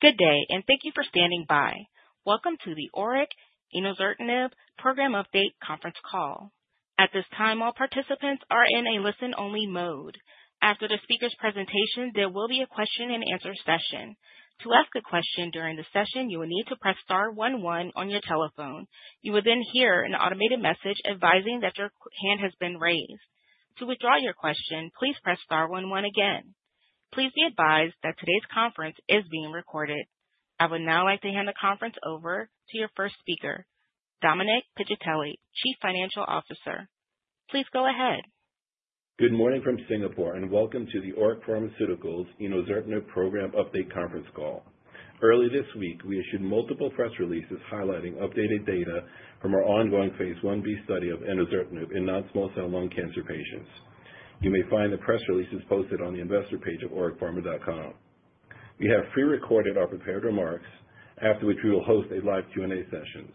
Good day, and thank you for standing by. Welcome to the ORIC Pharmaceuticals program update conference call. At this time, all participants are in a listen-only mode. After the speaker's presentation, there will be a question-and-answer session. To ask a question during the session, you will need to press star one one on your telephone. You will then hear an automated message advising that your hand has been raised. To withdraw your question, please press star one one again. Please be advised that today's conference is being recorded. I would now like to hand the conference over to your first speaker, Dominic Piscitelli, Chief Financial Officer. Please go ahead. Good morning from Singapore, and welcome to the ORIC Pharmaceuticals ORIC-114 program update conference call. Early this week, we issued multiple press releases highlighting updated data from our ongoing Phase 1b study of ORIC-114 in non-small cell lung cancer patients. You may find the press releases posted on the investor page of oricpharma.com. We have pre-recorded our prepared remarks after which we will host a live Q&A session.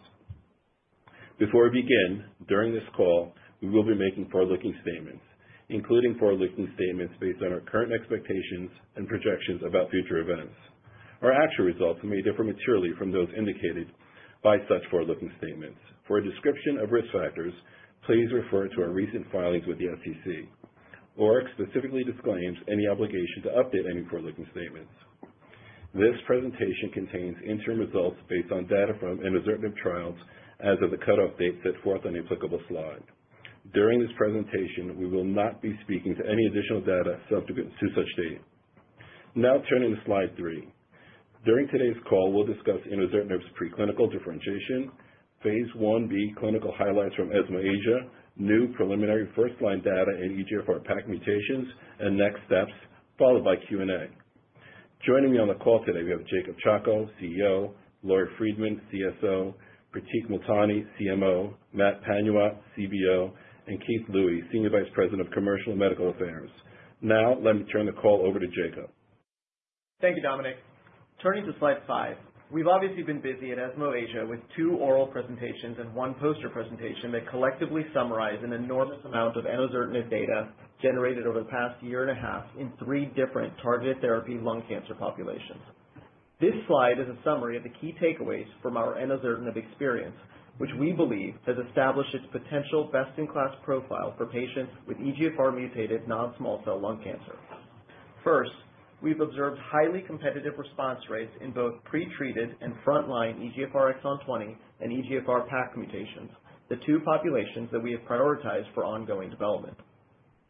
Before we begin, during this call, we will be making forward-looking statements, including forward-looking statements based on our current expectations and projections about future events. Our actual results may differ materially from those indicated by such forward-looking statements. For a description of risk factors, please refer to our recent filings with the SEC. ORIC specifically disclaims any obligation to update any forward-looking statements. This presentation contains interim results based on data from ORIC-114 trials as of the cutoff date set forth on the applicable slide. During this presentation, we will not be speaking to any additional data subsequent to such date. Now, turning to slide three. During today's call, we'll discuss ORIC-114's preclinical differentiation, Phase 1b clinical highlights from ESMO Asia, new preliminary first-line data in EGFR PACC mutations, and next steps, followed by Q&A. Joining me on the call today, we have Jacob Chacko, CEO; Lori Friedman, CSO; Pratik Multani, CMO; Matt Panuwat, CBO; and Keith Lui, Senior Vice President of Commercial and Medical Affairs. Now, let me turn the call over to Jacob. Thank you, Dominic. Turning to slide five, we've obviously been busy at ESMO Asia with two oral presentations and one poster presentation that collectively summarize an enormous amount of ORIC-114 data generated over the past year and a half in three different targeted therapy lung cancer populations. This slide is a summary of the key takeaways from our ORIC-114 experience, which we believe has established its potential best-in-class profile for patients with EGFR-mutated non-small cell lung cancer. First, we've observed highly competitive response rates in both pre-treated and front-line EGFR exon 20 and EGFR PACC mutations, the two populations that we have prioritized for ongoing development.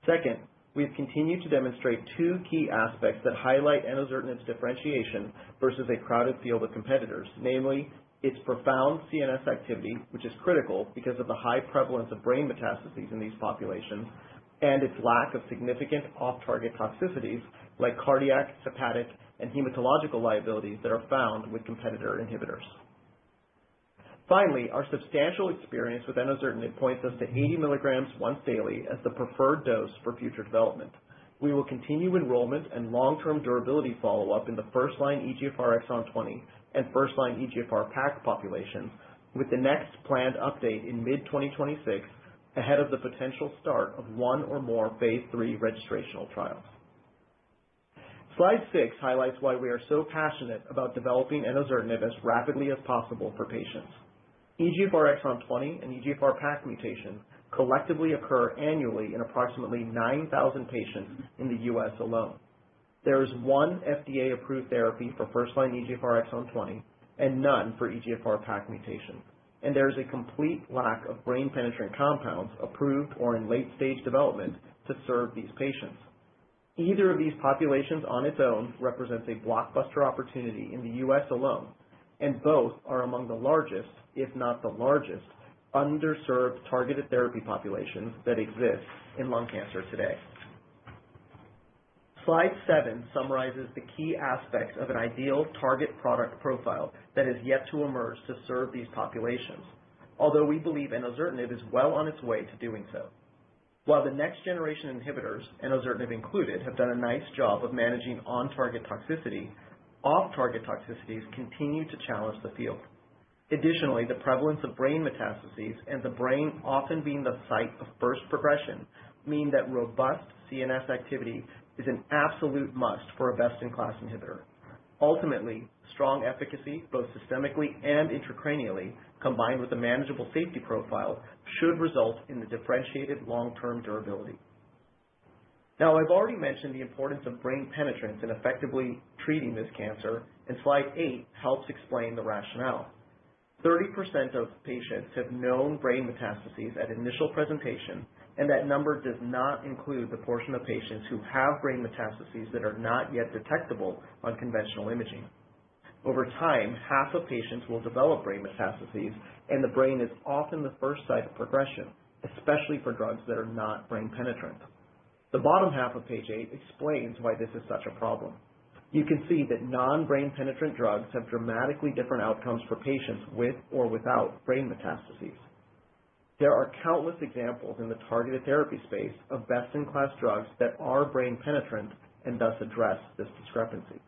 Second, we've continued to demonstrate two key aspects that highlight ORIC-114's differentiation versus a crowded field of competitors, namely its profound CNS activity, which is critical because of the high prevalence of brain metastases in these populations, and its lack of significant off-target toxicities like cardiac, hepatic, and hematological liabilities that are found with competitor inhibitors. Finally, our substantial experience with ORIC-114 points us to 80 mg once daily as the preferred dose for future development. We will continue enrollment and long-term durability follow-up in the first-line EGFR exon 20 and first-line EGFR PACC populations, with the next planned update in mid-2026 ahead of the potential start of one or more Phase 3 registrational trials. Slide six highlights why we are so passionate about developing ORIC-114 as rapidly as possible for patients. EGFR exon 20 and EGFR PACC mutations collectively occur annually in approximately 9,000 patients in the U.S. alone. There is one FDA-approved therapy for first-line EGFR exon 20 and none for EGFR PACC mutations, and there is a complete lack of brain-penetrating compounds approved or in late-stage development to serve these patients. Either of these populations on its own represents a blockbuster opportunity in the U.S. alone, and both are among the largest, if not the largest, underserved targeted therapy populations that exist in lung cancer today. Slide seven summarizes the key aspects of an ideal target product profile that has yet to emerge to serve these populations, although we believe ORIC-114 is well on its way to doing so. While the next generation inhibitors, ORIC-114 included, have done a nice job of managing on-target toxicity, off-target toxicities continue to challenge the field. Additionally, the prevalence of brain metastases and the brain often being the site of first progression mean that robust CNS activity is an absolute must for a best-in-class inhibitor. Ultimately, strong efficacy both systemically and intracranially, combined with a manageable safety profile, should result in the differentiated long-term durability. Now, I've already mentioned the importance of brain penetrance in effectively treating this cancer, and slide eight helps explain the rationale. 30% of patients have known brain metastases at initial presentation, and that number does not include the portion of patients who have brain metastases that are not yet detectable on conventional imaging. Over time, half of patients will develop brain metastases, and the brain is often the first site of progression, especially for drugs that are not brain penetrant. The bottom half of page eight explains why this is such a problem. You can see that non-brain penetrant drugs have dramatically different outcomes for patients with or without brain metastases. There are countless examples in the targeted therapy space of best-in-class drugs that are brain penetrant and thus address this discrepancy.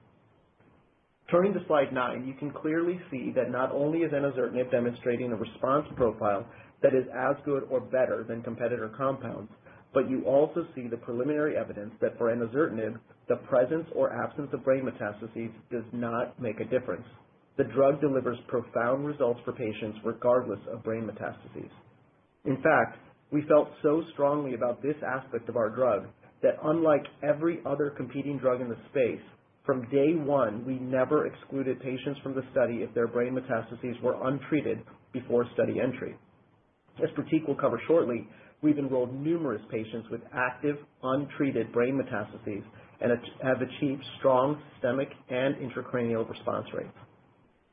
Turning to slide nine, you can clearly see that not only is ORIC-114 demonstrating a response profile that is as good or better than competitor compounds, but you also see the preliminary evidence that for ORIC-114, the presence or absence of brain metastases does not make a difference. The drug delivers profound results for patients regardless of brain metastases. In fact, we felt so strongly about this aspect of our drug that, unlike every other competing drug in the space, from day one, we never excluded patients from the study if their brain metastases were untreated before study entry. As Pratik will cover shortly, we've enrolled numerous patients with active, untreated brain metastases and have achieved strong systemic and intracranial response rates.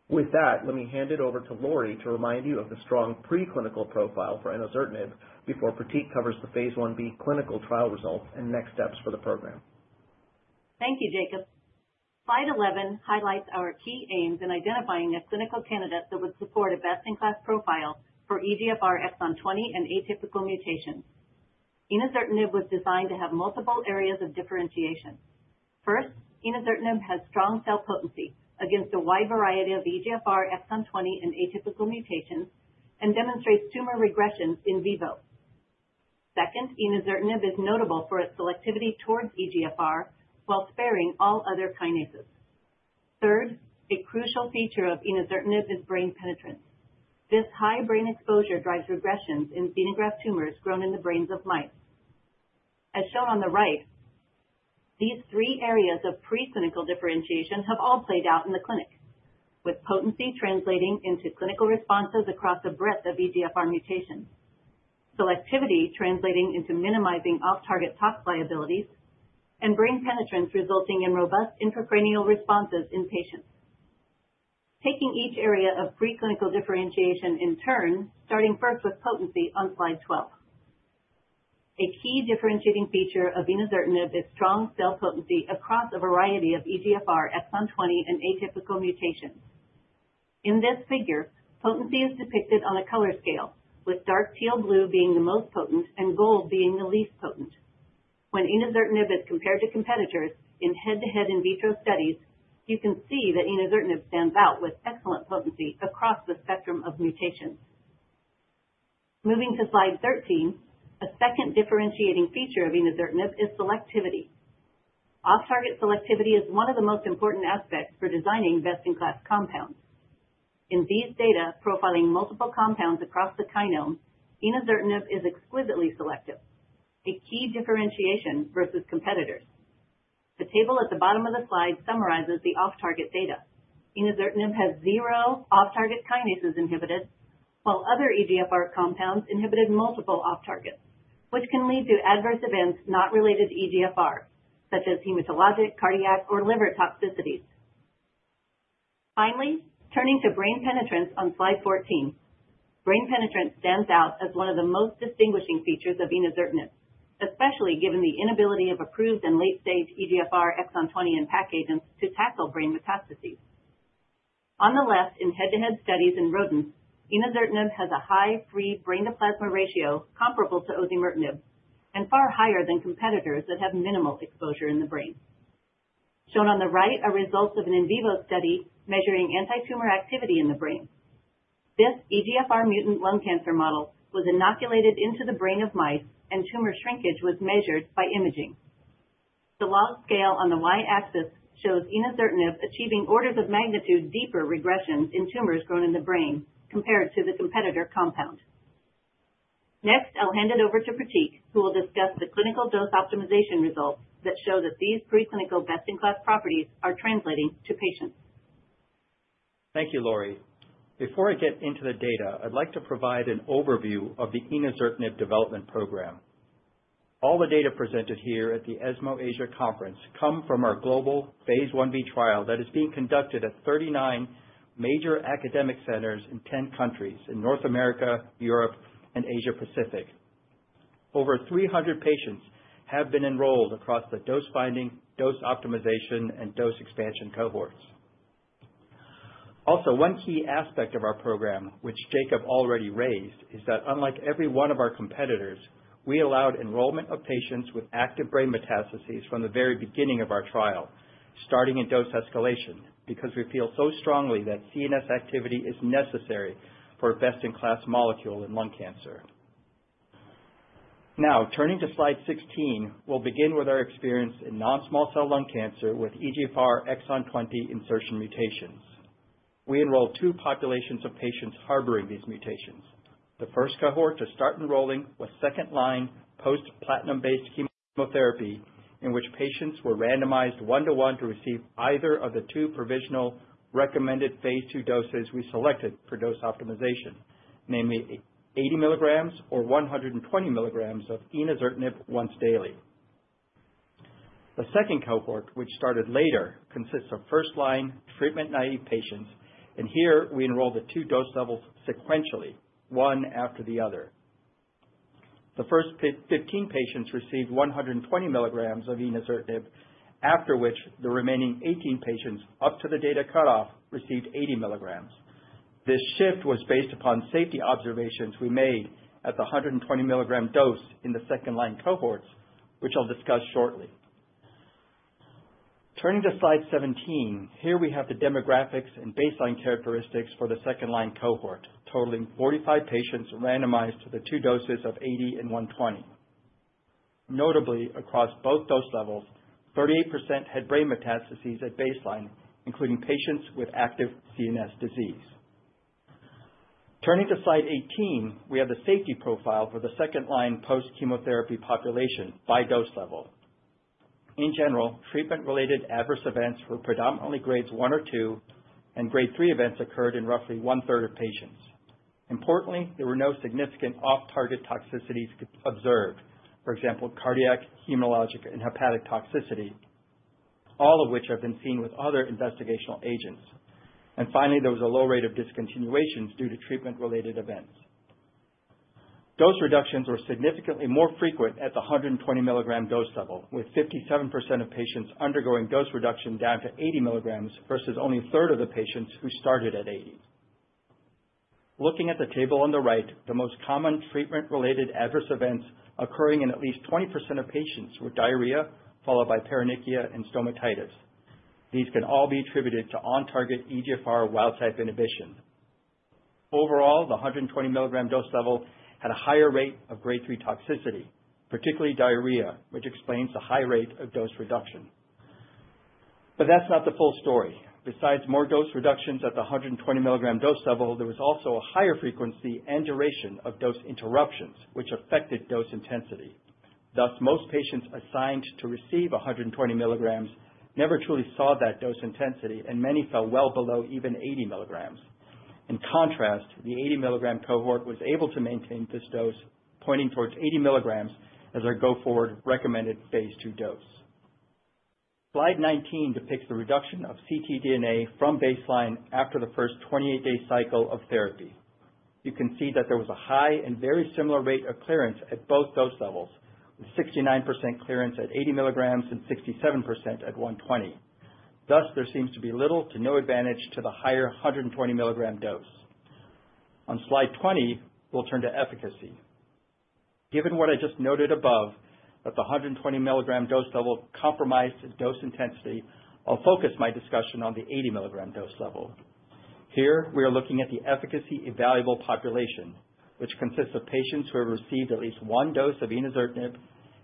With that, let me hand it over to Lori to remind you of the strong preclinical profile for ORIC-114 before Pratik covers the Phase 1b clinical trial results and next steps for the program. Thank you, Jacob. Slide 11 highlights our key aims in identifying a clinical candidate that would support a best-in-class profile for EGFR exon 20 and atypical mutations. ORIC-114 was designed to have multiple areas of differentiation. First, ORIC-114 has strong cell potency against a wide variety of EGFR exon 20 and atypical mutations and demonstrates tumor regression in vivo. Second, ORIC-114 is notable for its selectivity towards EGFR while sparing all other kinases. Third, a crucial feature of ORIC-114 is brain penetrance. This high brain exposure drives regressions in xenograft tumors grown in the brains of mice. As shown on the right, these three areas of preclinical differentiation have all played out in the clinic, with potency translating into clinical responses across a breadth of EGFR mutations, selectivity translating into minimizing off-target tox liabilities, and brain penetrance resulting in robust intracranial responses in patients. Taking each area of preclinical differentiation in turn, starting first with potency on slide 12. A key differentiating feature of ORIC-114 is strong cell potency across a variety of EGFR exon 20 and atypical mutations. In this figure, potency is depicted on a color scale, with dark teal blue being the most potent and gold being the least potent. When ORIC-114 is compared to competitors in head-to-head in vitro studies, you can see that ORIC-114 stands out with excellent potency across the spectrum of mutations. Moving to slide 13, a second differentiating feature of ORIC-114 is selectivity. Off-target selectivity is one of the most important aspects for designing best-in-class compounds. In these data, profiling multiple compounds across the kinome, ORIC-114 is exquisitely selective, a key differentiation versus competitors. The table at the bottom of the slide summarizes the off-target data. ORIC-114 has zero off-target kinases inhibited, while other EGFR compounds inhibited multiple off-targets, which can lead to adverse events not related to EGFR, such as hematologic, cardiac, or liver toxicities. Finally, turning to brain penetrance on slide 14, brain penetrance stands out as one of the most distinguishing features of ORIC-114, especially given the inability of approved and late-stage EGFR exon 20 and PACC agents to tackle brain metastases. On the left, in head-to-head studies in rodents, ORIC-114 has a high free brain-to-plasma ratio comparable to osimertinib and far higher than competitors that have minimal exposure in the brain. Shown on the right are results of an in vivo study measuring anti-tumor activity in the brain. This EGFR mutant lung cancer model was inoculated into the brain of mice, and tumor shrinkage was measured by imaging. The log scale on the y-axis shows ORIC-114 achieving orders of magnitude deeper regressions in tumors grown in the brain compared to the competitor compound. Next, I'll hand it over to Pratik, who will discuss the clinical dose optimization results that show that these preclinical best-in-class properties are translating to patients. Thank you, Lori. Before I get into the data, I'd like to provide an overview of the ORIC-114 development program. All the data presented here at the ESMO Asia Conference come from our global Phase 1b trial that is being conducted at 39 major academic centers in 10 countries in North America, Europe, and Asia Pacific. Over 300 patients have been enrolled across the dose finding, dose optimization, and dose expansion cohorts. Also, one key aspect of our program, which Jacob already raised, is that unlike every one of our competitors, we allowed enrollment of patients with active brain metastases from the very beginning of our trial, starting in dose escalation, because we feel so strongly that CNS activity is necessary for a best-in-class molecule in lung cancer. Now, turning to slide 16, we'll begin with our experience in non-small cell lung cancer with EGFR exon 20 insertion mutations. We enrolled two populations of patients harboring these mutations. The first cohort to start enrolling was second-line post-platinum-based chemotherapy, in which patients were randomized one-to-one to receive either of the two provisional recommended Phase 2 doses we selected for dose optimization, namely 80 mg or 120 mg of ORIC-114 once daily. The second cohort, which started later, consists of first-line treatment naive patients, and here we enrolled the two dose levels sequentially, one after the other. The first 15 patients received 120 mg of ORIC-114, after which the remaining 18 patients up to the data cutoff received 80 mg. This shift was based upon safety observations we made at the 120 mg dose in the second-line cohorts, which I'll discuss shortly. Turning to slide 17, here we have the demographics and baseline characteristics for the second-line cohort, totaling 45 patients randomized to the two doses of 80 and 120. Notably, across both dose levels, 38% had brain metastases at baseline, including patients with active CNS disease. Turning to slide 18, we have the safety profile for the second-line post-chemotherapy population by dose level. In general, treatment-related adverse events were predominantly grades 1 or 2, and grade 3 events occurred in roughly one-third of patients. Importantly, there were no significant off-target toxicities observed, for example, cardiac, hematologic, and hepatic toxicity, all of which have been seen with other investigational agents. And finally, there was a low rate of discontinuations due to treatment-related events. Dose reductions were significantly more frequent at the 120 mg dose level, with 57% of patients undergoing dose reduction down to 80 mg versus only a third of the patients who started at 80. Looking at the table on the right, the most common treatment-related adverse events occurring in at least 20% of patients were diarrhea followed by paronychia and stomatitis. These can all be attributed to on-target EGFR wild-type inhibition. Overall, the 120 mg dose level had a higher rate of grade 3 toxicity, particularly diarrhea, which explains the high rate of dose reduction. But that's not the full story. Besides more dose reductions at the 120 mg dose level, there was also a higher frequency and duration of dose interruptions, which affected dose intensity. Thus, most patients assigned to receive 120 mg never truly saw that dose intensity, and many fell well below even 80 mg. In contrast, the 80 mg cohort was able to maintain this dose, pointing towards 80 mg as our go-forward recommended Phase II dose. Slide 19 depicts the reduction of ctDNA from baseline after the first 28-day cycle of therapy. You can see that there was a high and very similar rate of clearance at both dose levels, with 69% clearance at 80 mg and 67% at 120. Thus, there seems to be little to no advantage to the higher 120 mg dose. On slide 20, we'll turn to efficacy. Given what I just noted above, that the 120 mg dose level compromised dose intensity, I'll focus my discussion on the 80 mg dose level. Here, we are looking at the efficacy evaluable population, which consists of patients who have received at least one dose of ORIC-114,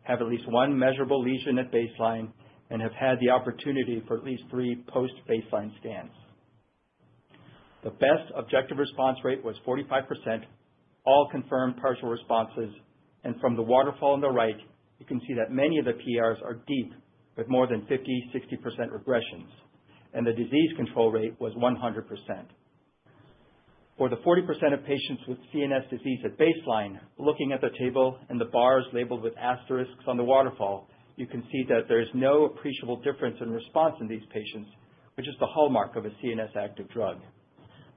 have at least one measurable lesion at baseline, and have had the opportunity for at least three post-baseline scans. The best objective response rate was 45%, all confirmed partial responses, and from the waterfall on the right, you can see that many of the PRs are deep with more than 50%-60% regressions, and the disease control rate was 100%. For the 40% of patients with CNS disease at baseline, looking at the table and the bars labeled with asterisks on the waterfall, you can see that there is no appreciable difference in response in these patients, which is the hallmark of a CNS active drug.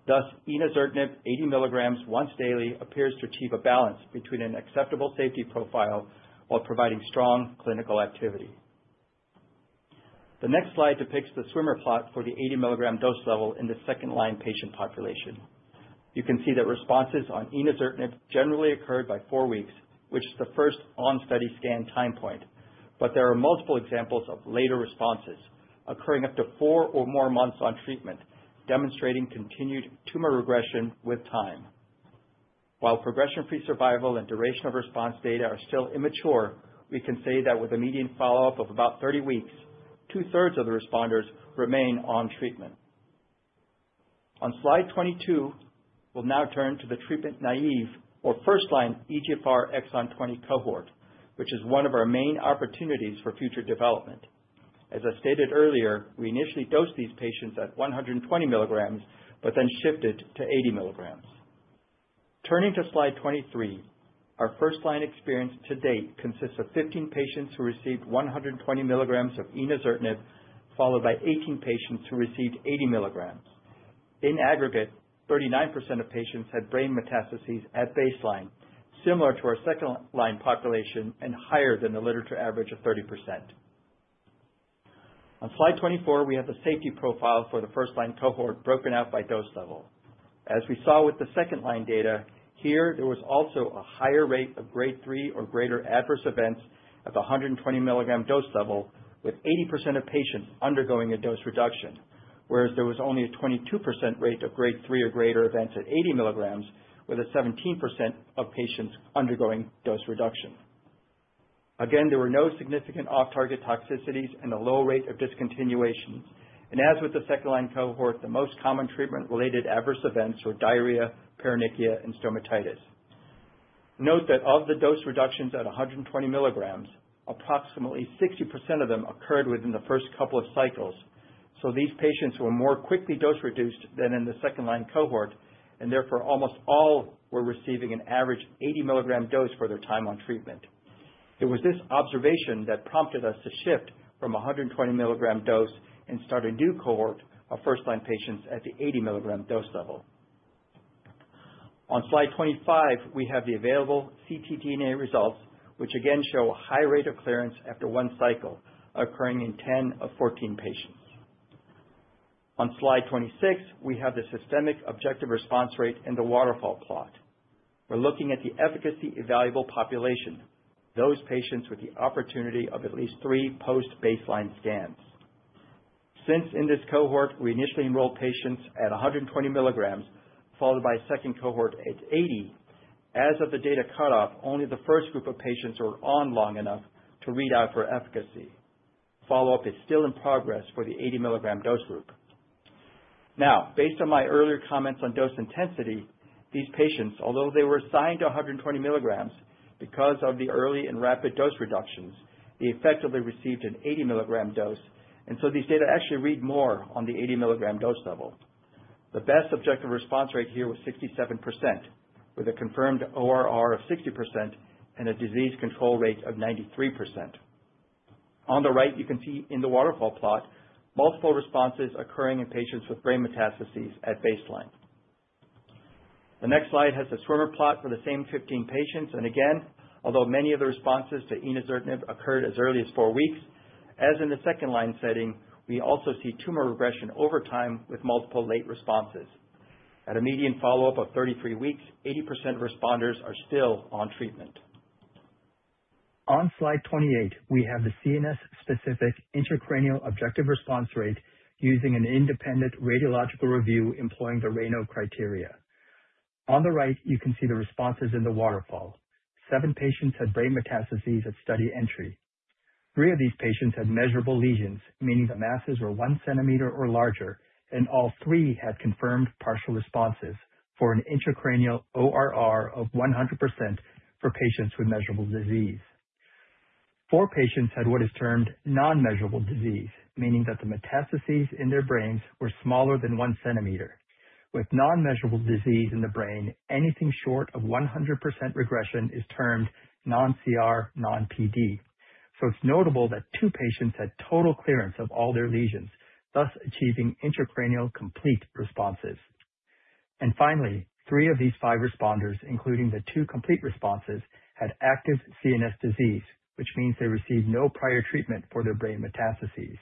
Thus, ORIC-114, 80 mg once daily, appears to achieve a balance between an acceptable safety profile while providing strong clinical activity. The next slide depicts the swimmer plot for the 80 mg dose level in the second-line patient population. You can see that responses on ORIC-114 generally occurred by four weeks, which is the first on-study scan time point, but there are multiple examples of later responses occurring up to four or more months on treatment, demonstrating continued tumor regression with time. While progression-free survival and duration of response data are still immature, we can say that with a median follow-up of about 30 weeks, two-thirds of the responders remain on treatment. On slide 22, we'll now turn to the treatment-naive or first-line EGFR exon 20 cohort, which is one of our main opportunities for future development. As I stated earlier, we initially dosed these patients at 120 mg, but then shifted to 80 mg. Turning to slide 23, our first-line experience to date consists of 15 patients who received 120 mg of ORIC-114, followed by 18 patients who received 80 mg. In aggregate, 39% of patients had brain metastases at baseline, similar to our second-line population and higher than the literature average of 30%. On slide 24, we have the safety profile for the first-line cohort broken out by dose level. As we saw with the second-line data, here, there was also a higher rate of grade 3 or greater adverse events at the 120 mg dose level, with 80% of patients undergoing a dose reduction, whereas there was only a 22% rate of grade 3 or greater events at 80 mg, with 17% of patients undergoing dose reduction. Again, there were no significant off-target toxicities and a low rate of discontinuations, and as with the second-line cohort, the most common treatment-related adverse events were diarrhea, paronychia, and stomatitis. Note that of the dose reductions at 120 mg, approximately 60% of them occurred within the first couple of cycles, so these patients were more quickly dose reduced than in the second-line cohort, and therefore almost all were receiving an average 80 mg dose for their time on treatment. It was this observation that prompted us to shift from 120 mg dose and start a new cohort of first-line patients at the 80 mg dose level. On slide 25, we have the available ctDNA results, which again show a high rate of clearance after one cycle, occurring in 10 of 14 patients. On slide 26, we have the systemic objective response rate in the waterfall plot. We're looking at the efficacy evaluable population, those patients with the opportunity of at least three post-baseline scans. Since in this cohort, we initially enrolled patients at 120 mg, followed by a second cohort at 80. As of the data cutoff, only the first group of patients were on long enough to read out for efficacy. Follow-up is still in progress for the 80 mg dose group. Now, based on my earlier comments on dose intensity, these patients, although they were assigned to 120 mg because of the early and rapid dose reductions, effectively received an 80 mg dose, and so these data actually read more on the 80 mg dose level. The best objective response rate here was 67%, with a confirmed ORR of 60% and a disease control rate of 93%. On the right, you can see in the waterfall plot multiple responses occurring in patients with brain metastases at baseline. The next slide has the swimmer plot for the same 15 patients, and again, although many of the responses to ORIC-114 occurred as early as four weeks, as in the second-line setting, we also see tumor regression over time with multiple late responses. At a median follow-up of 33 weeks, 80% of responders are still on treatment. On slide 28, we have the CNS-specific intracranial objective response rate using an independent radiological review employing the RANO criteria. On the right, you can see the responses in the waterfall. Seven patients had brain metastases at study entry. Three of these patients had measurable lesions, meaning the masses were one centimeter or larger, and all three had confirmed partial responses for an intracranial ORR of 100% for patients with measurable disease. Four patients had what is termed non-measurable disease, meaning that the metastases in their brains were smaller than one centimeter. With non-measurable disease in the brain, anything short of 100% regression is termed non-CR, non-PD. So it's notable that two patients had total clearance of all their lesions, thus achieving intracranial complete responses. And finally, three of these five responders, including the two complete responses, had active CNS disease, which means they received no prior treatment for their brain metastases.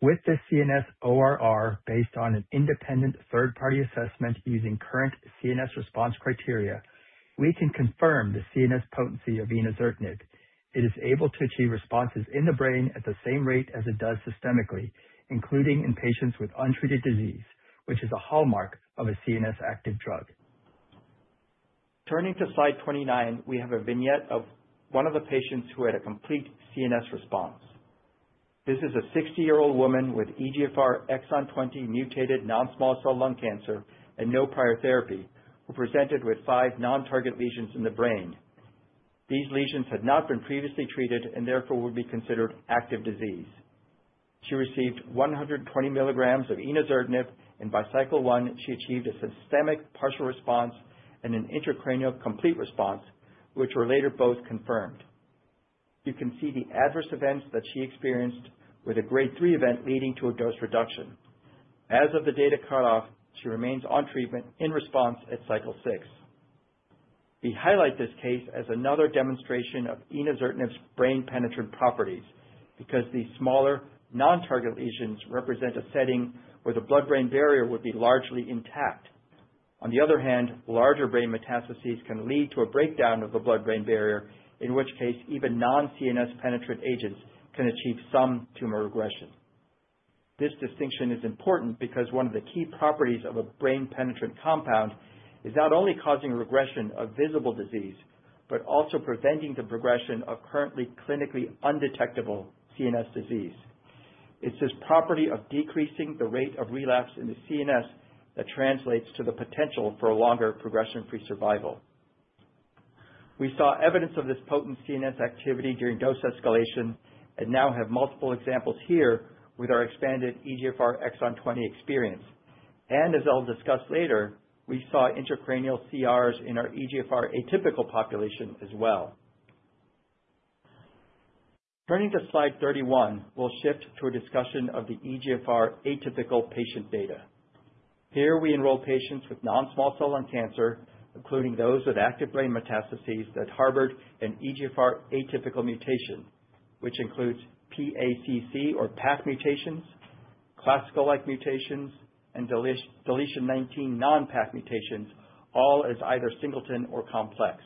With this CNS ORR based on an independent third-party assessment using current CNS response criteria, we can confirm the CNS potency of ORIC-114. It is able to achieve responses in the brain at the same rate as it does systemically, including in patients with untreated disease, which is a hallmark of a CNS active drug. Turning to slide 29, we have a vignette of one of the patients who had a complete CNS response. This is a 60-year-old woman with EGFR exon 20 mutated non-small cell lung cancer and no prior therapy, who presented with five non-target lesions in the brain. These lesions had not been previously treated and therefore would be considered active disease. She received 120 mg of ORIC-114, and by cycle 1, she achieved a systemic partial response and an intracranial complete response, which were later both confirmed. You can see the adverse events that she experienced with a grade 3 event leading to a dose reduction. As of the data cutoff, she remains on treatment in response at cycle 6. We highlight this case as another demonstration of ORIC-114's brain-penetrating properties because these smaller non-target lesions represent a setting where the blood-brain barrier would be largely intact. On the other hand, larger brain metastases can lead to a breakdown of the blood-brain barrier, in which case even non-CNS-penetrating agents can achieve some tumor regression. This distinction is important because one of the key properties of a brain-penetrating compound is not only causing regression of visible disease, but also preventing the progression of currently clinically undetectable CNS disease. It's this property of decreasing the rate of relapse in the CNS that translates to the potential for longer progression-free survival. We saw evidence of this potent CNS activity during dose escalation and now have multiple examples here with our expanded EGFR exon 20 experience, and as I'll discuss later, we saw intracranial CRs in our EGFR atypical population as well. Turning to slide 31, we'll shift to a discussion of the EGFR atypical patient data. Here, we enroll patients with non-small cell lung cancer, including those with active brain metastases that harbored an EGFR atypical mutation, which includes PACC or PACC mutations, classical-like mutations, and deletion 19 non-PACC mutations, all as either singleton or complex.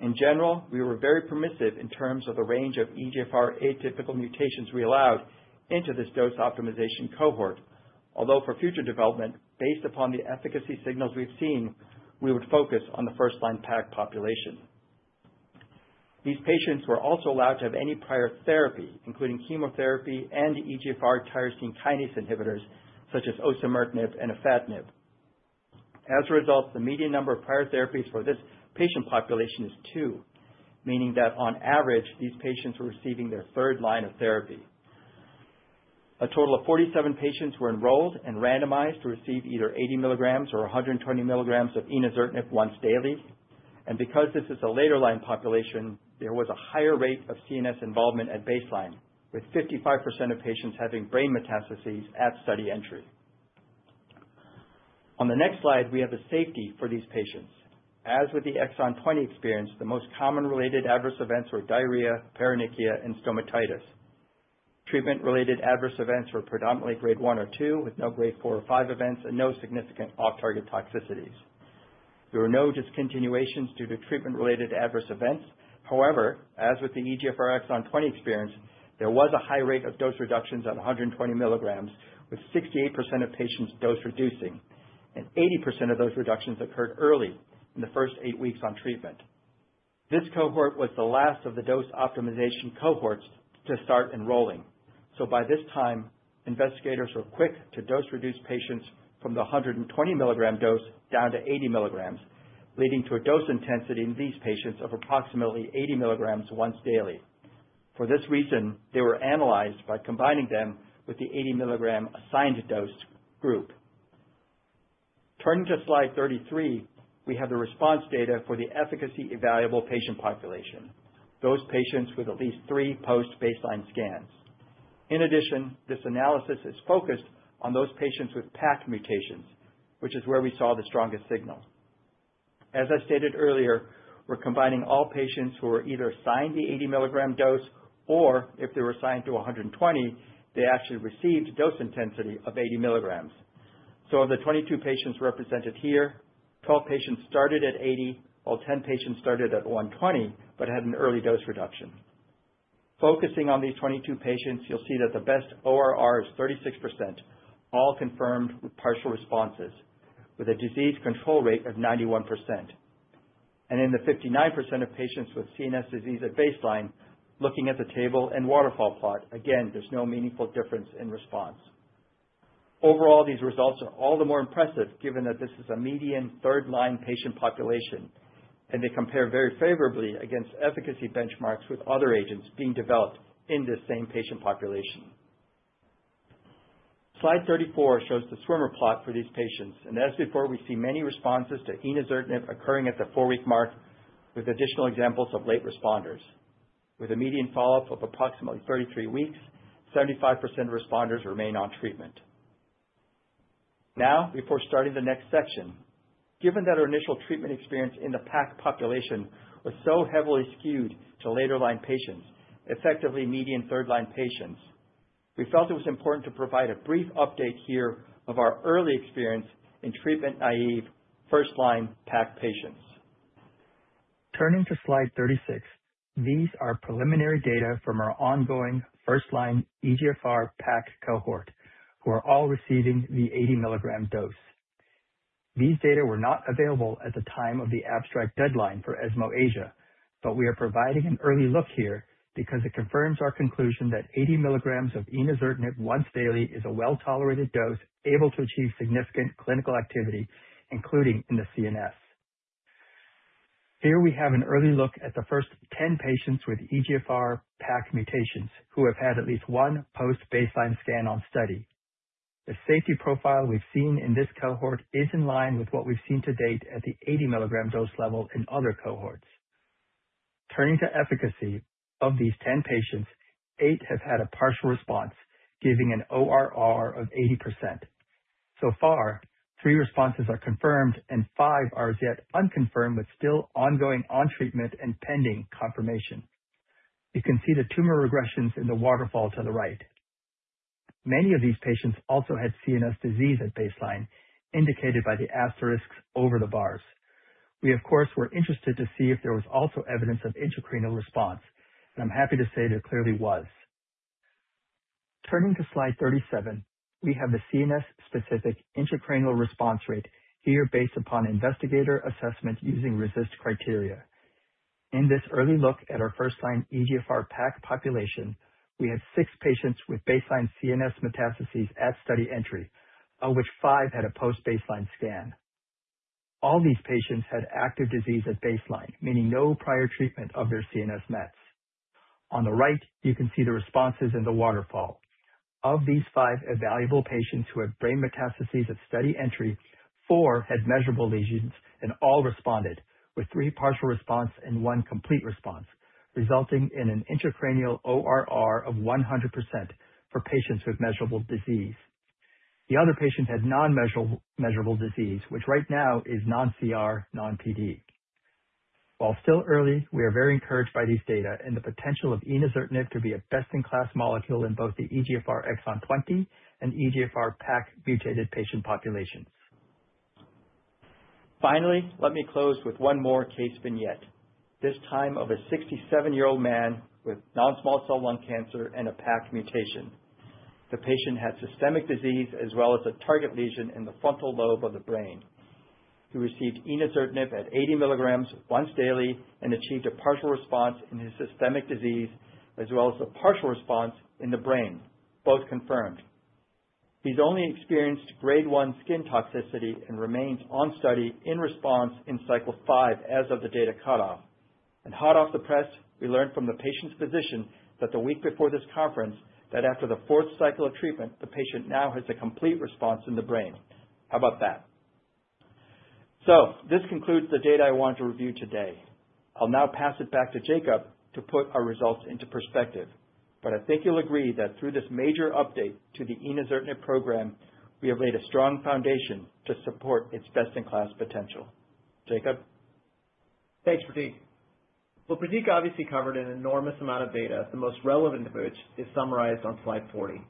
In general, we were very permissive in terms of the range of EGFR atypical mutations we allowed into this dose optimization cohort, although for future development, based upon the efficacy signals we've seen, we would focus on the first-line PACC population. These patients were also allowed to have any prior therapy, including chemotherapy and EGFR tyrosine kinase inhibitors such as osimertinib and afatinib. As a result, the median number of prior therapies for this patient population is two, meaning that on average, these patients were receiving their third line of therapy. A total of 47 patients were enrolled and randomized to receive either 80 mg or 120 mg of ORIC-114 once daily, and because this is a later-line population, there was a higher rate of CNS involvement at baseline, with 55% of patients having brain metastases at study entry. On the next slide, we have the safety for these patients. As with the exon 20 experience, the most common related adverse events were diarrhea, paronychia, and stomatitis. Treatment-related adverse events were predominantly grade 1 or 2, with no grade 4 or 5 events and no significant off-target toxicities. There were no discontinuations due to treatment-related adverse events. However, as with the EGFR exon 20 experience, there was a high rate of dose reductions at 120 mg, with 68% of patients dose reducing, and 80% of those reductions occurred early in the first eight weeks on treatment. This cohort was the last of the dose optimization cohorts to start enrolling, so by this time, investigators were quick to dose reduce patients from the 120 mg dose down to 80 mg, leading to a dose intensity in these patients of approximately 80 mg once daily. For this reason, they were analyzed by combining them with the 80 mg assigned dose group. Turning to slide 33, we have the response data for the efficacy evaluable patient population, those patients with at least three post-baseline scans. In addition, this analysis is focused on those patients with PACC mutations, which is where we saw the strongest signal. As I stated earlier, we're combining all patients who were either assigned the 80 mg dose or, if they were assigned to 120, they actually received dose intensity of 80 mg. Of the 22 patients represented here, 12 patients started at 80, while 10 patients started at 120 but had an early dose reduction. Focusing on these 22 patients, you'll see that the best ORR is 36%, all confirmed with partial responses, with a disease control rate of 91%. And in the 59% of patients with CNS disease at baseline, looking at the table and waterfall plot, again, there's no meaningful difference in response. Overall, these results are all the more impressive given that this is a median third-line patient population, and they compare very favorably against efficacy benchmarks with other agents being developed in this same patient population. Slide 34 shows the swimmer plot for these patients, and as before, we see many responses to ORIC-114 occurring at the four-week mark, with additional examples of late responders. With a median follow-up of approximately 33 weeks, 75% of responders remain on treatment. Now, before starting the next section, given that our initial treatment experience in the PACC population was so heavily skewed to later-line patients, effectively median third-line patients, we felt it was important to provide a brief update here of our early experience in treatment-naive first-line PACC patients. Turning to slide 36, these are preliminary data from our ongoing first-line EGFR PACC cohort, who are all receiving the 80 mg dose. These data were not available at the time of the abstract deadline for ESMO Asia, but we are providing an early look here because it confirms our conclusion that 80 mg of ORIC-114 once daily is a well-tolerated dose able to achieve significant clinical activity, including in the CNS. Here we have an early look at the first 10 patients with EGFR PACC mutations who have had at least one post-baseline scan on study. The safety profile we've seen in this cohort is in line with what we've seen to date at the 80 mg dose level in other cohorts. Turning to efficacy of these 10 patients, eight have had a partial response, giving an ORR of 80%. So far, three responses are confirmed, and five are as yet unconfirmed but still ongoing on treatment and pending confirmation. You can see the tumor regressions in the waterfall to the right. Many of these patients also had CNS disease at baseline, indicated by the asterisks over the bars. We, of course, were interested to see if there was also evidence of intracranial response, and I'm happy to say there clearly was. Turning to slide 37, we have the CNS-specific intracranial response rate here based upon investigator assessment using RECIST criteria. In this early look at our first-line EGFR PACC population, we had six patients with baseline CNS metastases at study entry, of which five had a post-baseline scan. All these patients had active disease at baseline, meaning no prior treatment of their CNS mets. On the right, you can see the responses in the waterfall. Of these five evaluable patients who had brain metastases at study entry, four had measurable lesions and all responded, with three partial response and one complete response, resulting in an intracranial ORR of 100% for patients with measurable disease. The other patients had non-measurable disease, which right now is non-CR, non-PD. While still early, we are very encouraged by these data and the potential of ORIC-114 to be a best-in-class molecule in both the EGFR exon 20 and EGFR PACC mutated patient populations. Finally, let me close with one more case vignette, this time of a 67-year-old man with non-small cell lung cancer and a PACC mutation. The patient had systemic disease as well as a target lesion in the frontal lobe of the brain. He received ORIC-114 at 80 mg once daily and achieved a partial response in his systemic disease as well as a partial response in the brain, both confirmed. He's only experienced grade 1 skin toxicity and remains on study in response in cycle five as of the data cutoff. Hot off the press, we learned from the patient's physician that the week before this conference, that after the fourth cycle of treatment, the patient now has a complete response in the brain. How about that? This concludes the data I wanted to review today. I'll now pass it back to Jacob to put our results into perspective, but I think you'll agree that through this major update to the ORIC-114 program, we have laid a strong foundation to support its best-in-class potential. Jacob? Thanks, Pratik. Well, Pratik obviously covered an enormous amount of data. The most relevant of which is summarized on slide 40.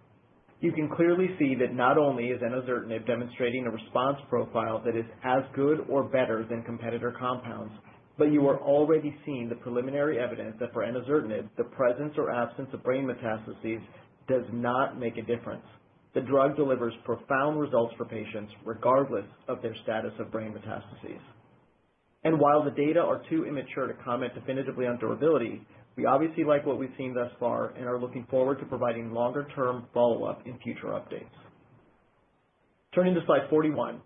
You can clearly see that not only is ORIC-114 demonstrating a response profile that is as good or better than competitor compounds, but you are already seeing the preliminary evidence that for ORIC-114, the presence or absence of brain metastases does not make a difference. The drug delivers profound results for patients regardless of their status of brain metastases. And while the data are too immature to comment definitively on durability, we obviously like what we've seen thus far and are looking forward to providing longer-term follow-up in future updates. Turning to slide 41,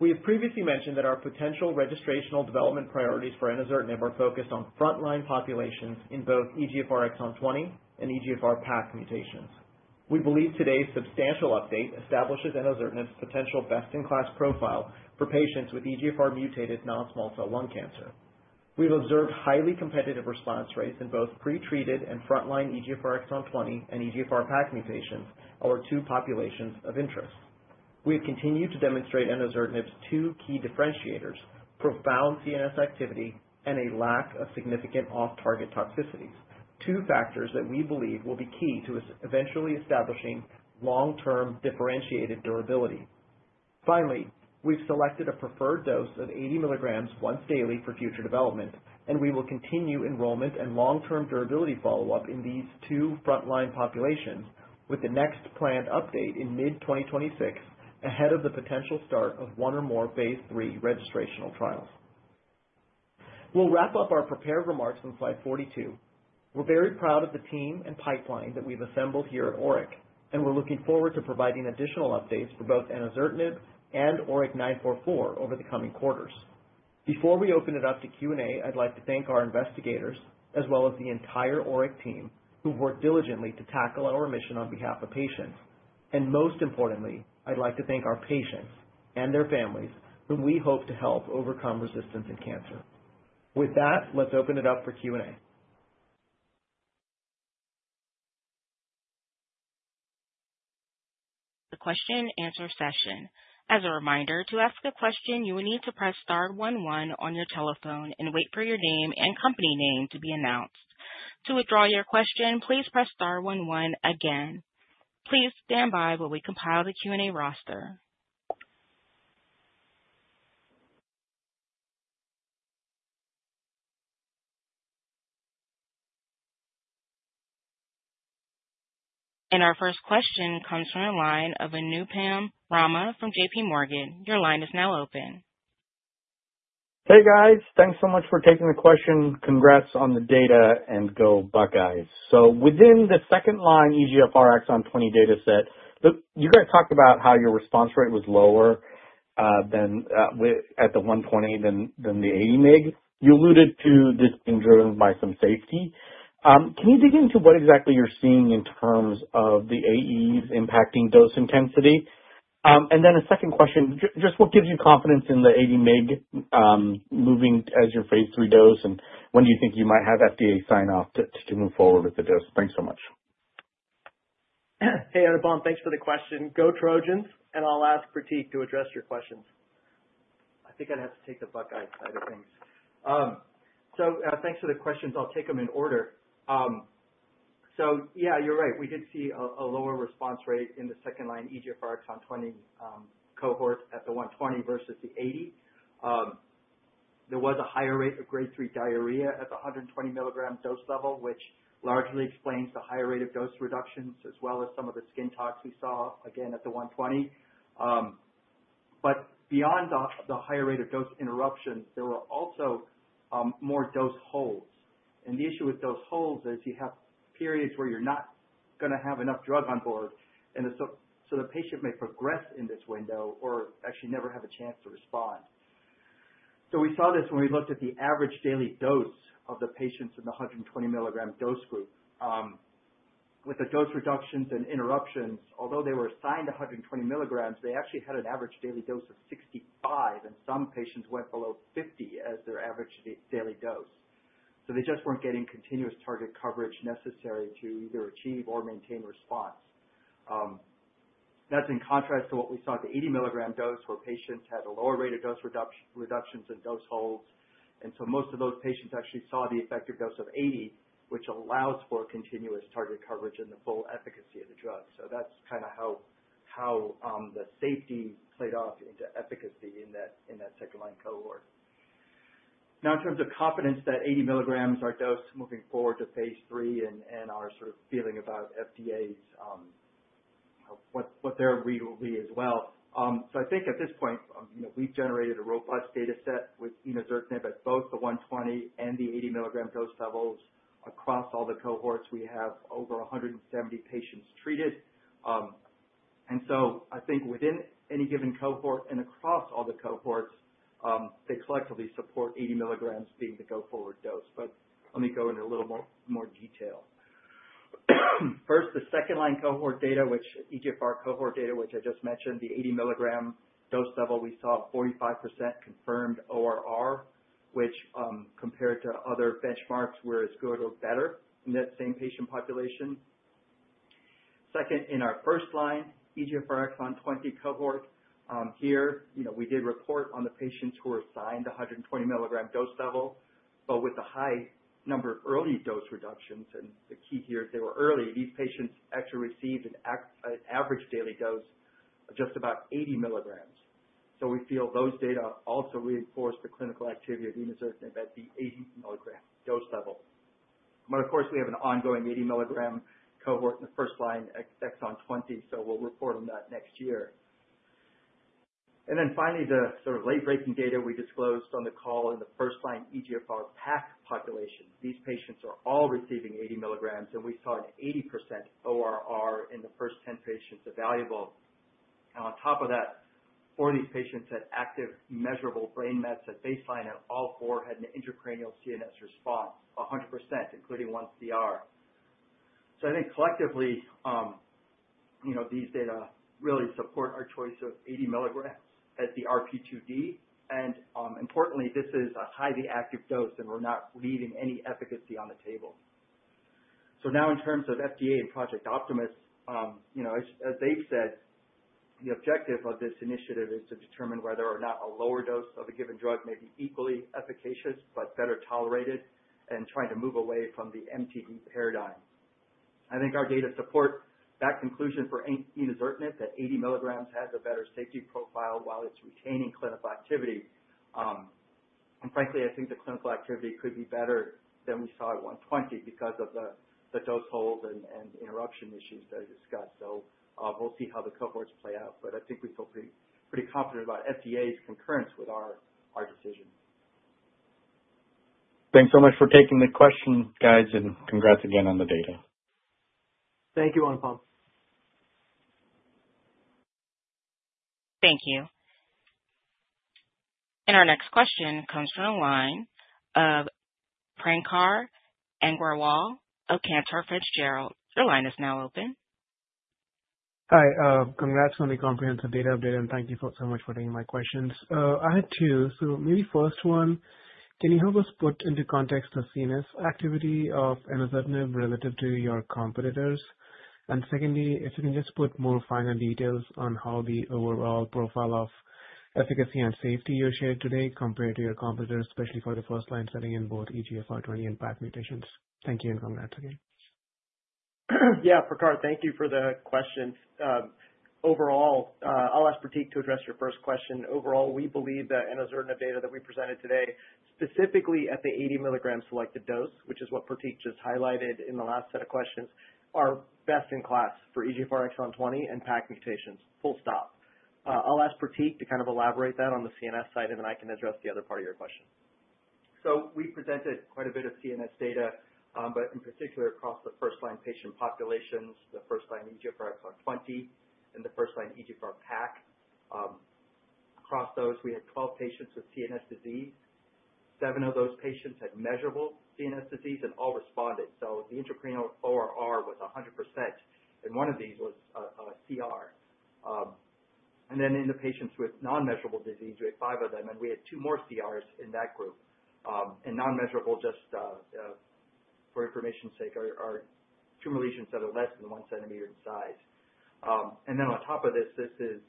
we have previously mentioned that our potential registrational development priorities for ORIC-114 are focused on frontline populations in both EGFR exon 20 and EGFR PACC mutations. We believe today's substantial update establishes ORIC-114's potential best-in-class profile for patients with EGFR mutated non-small cell lung cancer. We've observed highly competitive response rates in both pretreated and frontline EGFR exon 20 and EGFR PACC mutations, our two populations of interest. We have continued to demonstrate ORIC-114's two key differentiators: profound CNS activity and a lack of significant off-target toxicities, two factors that we believe will be key to eventually establishing long-term differentiated durability. Finally, we've selected a preferred dose of 80 mg once daily for future development, and we will continue enrollment and long-term durability follow-up in these two frontline populations with the next planned update in mid-2026 ahead of the potential start of one or more Phase 3 registrational trials. We'll wrap up our prepared remarks on slide 42. We're very proud of the team and pipeline that we've assembled here at ORIC, and we're looking forward to providing additional updates for both ORIC-114 and ORIC-944 over the coming quarters. Before we open it up to Q&A, I'd like to thank our investigators, as well as the entire ORIC team, who've worked diligently to tackle our mission on behalf of patients, and most importantly, I'd like to thank our patients and their families, whom we hope to help overcome resistance in cancer. With that, let's open it up for Q&A. The question-and-answer session. As a reminder, to ask a question, you will need to press star one one on your telephone and wait for your name and company name to be announced. To withdraw your question, please press star one one again. Please stand by while we compile the Q&A roster, and our first question comes from the line of Anupam Rama from JPMorgan. Your line is now open. Hey, guys. Thanks so much for taking the question. Congrats on the data, and go Buckeyes. So within the second-line EGFR exon 20 dataset, you guys talked about how your response rate was lower at the 120 mg than at the 80 mg. You alluded to this being driven by some safety. Can you dig into what exactly you're seeing in terms of the AEs impacting dose intensity? And then a second question, just what gives you confidence in the 80 mg moving as your Phase 3 dose, and when do you think you might have FDA sign-off to move forward with the dose? Thanks so much. Hey, Anupam, thanks for the question. Go Trojans, and I'll ask Pratik to address your questions. I think I'd have to take the Buckeyes side of things. Thanks for the questions. I'll take them in order. Yeah, you're right. We did see a lower response rate in the second-line EGFR exon 20 cohort at the 120 versus the 80. There was a higher rate of grade 3 diarrhea at the 120 mg dose level, which largely explains the higher rate of dose reductions as well as some of the skin tox we saw again at the 120, but beyond the higher rate of dose interruption, there were also more dose holds, and the issue with those holds is you have periods where you're not going to have enough drug on board, and so the patient may progress in this window or actually never have a chance to respond, so we saw this when we looked at the average daily dose of the patients in the 120 mg dose group. With the dose reductions and interruptions, although they were assigned 120 mg, they actually had an average daily dose of 65, and some patients went below 50 as their average daily dose. So they just weren't getting continuous target coverage necessary to either achieve or maintain response. That's in contrast to what we saw at the 80 mg dose, where patients had a lower rate of dose reductions and dose holds. And so most of those patients actually saw the effective dose of 80, which allows for continuous target coverage and the full efficacy of the drug. So that's kind of how the safety played off into efficacy in that second-line cohort. Now, in terms of confidence that 80 mg are dosed moving forward to Phase 3 and our sort of feeling about FDA's, what their read will be as well. I think at this point, we've generated a robust dataset with ORIC-114 at both the 120 and the 80 mg dose levels across all the cohorts. We have over 170 patients treated. And so I think within any given cohort and across all the cohorts, they collectively support 80 mg being the go-forward dose. But let me go into a little more detail. First, the second-line cohort data, which EGFR cohort data, which I just mentioned, the 80 mg dose level, we saw 45% confirmed ORR, which compared to other benchmarks were as good or better in that same patient population. Second, in our first-line EGFR exon 20 cohort, here we did report on the patients who were assigned 120 mg dose level, but with the high number of early dose reductions. And the key here is they were early. These patients actually received an average daily dose of just about 80 mg. So we feel those data also reinforce the clinical activity of ORIC-114 at the 80 mg dose level. But of course, we have an ongoing 80 mg cohort in the first-line exon 20, so we'll report on that next year. And then finally, the sort of late-breaking data we disclosed on the call in the first-line EGFR PACC population. These patients are all receiving 80 mg, and we saw an 80% ORR in the first 10 patients evaluable. And on top of that, four of these patients had active measurable brain mets at baseline, and all four had an intracranial CNS response, 100%, including one CR. So I think collectively, these data really support our choice of 80 mg at the RP2D. Importantly, this is a highly active dose, and we're not leaving any efficacy on the table. So now, in terms of FDA and Project Optimus, as they've said, the objective of this initiative is to determine whether or not a lower dose of a given drug may be equally efficacious but better tolerated and trying to move away from the MTD paradigm. I think our data support that conclusion for ORIC-114 that 80 mg has a better safety profile while it's retaining clinical activity. Frankly, I think the clinical activity could be better than we saw at 120 because of the dose holds and interruption issues that I discussed. So we'll see how the cohorts play out, but I think we feel pretty confident about FDA's concurrence with our decision. Thanks so much for taking the question, guys, and congrats again on the data. Thank you, Anupam. Thank you. And our next question comes from the line of Prakhar Agrawal, Cantor Fitzgerald. Your line is now open. Hi. Congrats on the comprehensive data update, and thank you so much for taking my questions. I had two. So maybe first one, can you help us put into context the CNS activity of ORIC-114 relative to your competitors? And secondly, if you can just put more final details on how the overall profile of efficacy and safety you shared today compared to your competitors, especially for the first-line setting in both EGFR 20 and PACC mutations. Thank you and congrats again. Yeah, Prakhar, thank you for the question. Overall, I'll ask Pratik to address your first question. Overall, we believe that ORIC-114 data that we presented today, specifically at the 80 mg selected dose, which is what Pratik just highlighted in the last set of questions, are best in class for EGFR exon 20 and PACC mutations. Full stop. I'll ask Pratik to kind of elaborate that on the CNS side, and then I can address the other part of your question. So we presented quite a bit of CNS data, but in particular across the first-line patient populations, the first-line EGFR exon 20 and the first-line EGFR PACC. Across those, we had 12 patients with CNS disease. Seven of those patients had measurable CNS disease and all responded. So the intracranial ORR was 100%, and one of these was a CR. And then in the patients with non-measurable disease, we had five of them, and we had two more CRs in that group. And non-measurable, just for information's sake, are tumor lesions that are less than one centimeter in size. And then on top of this, this is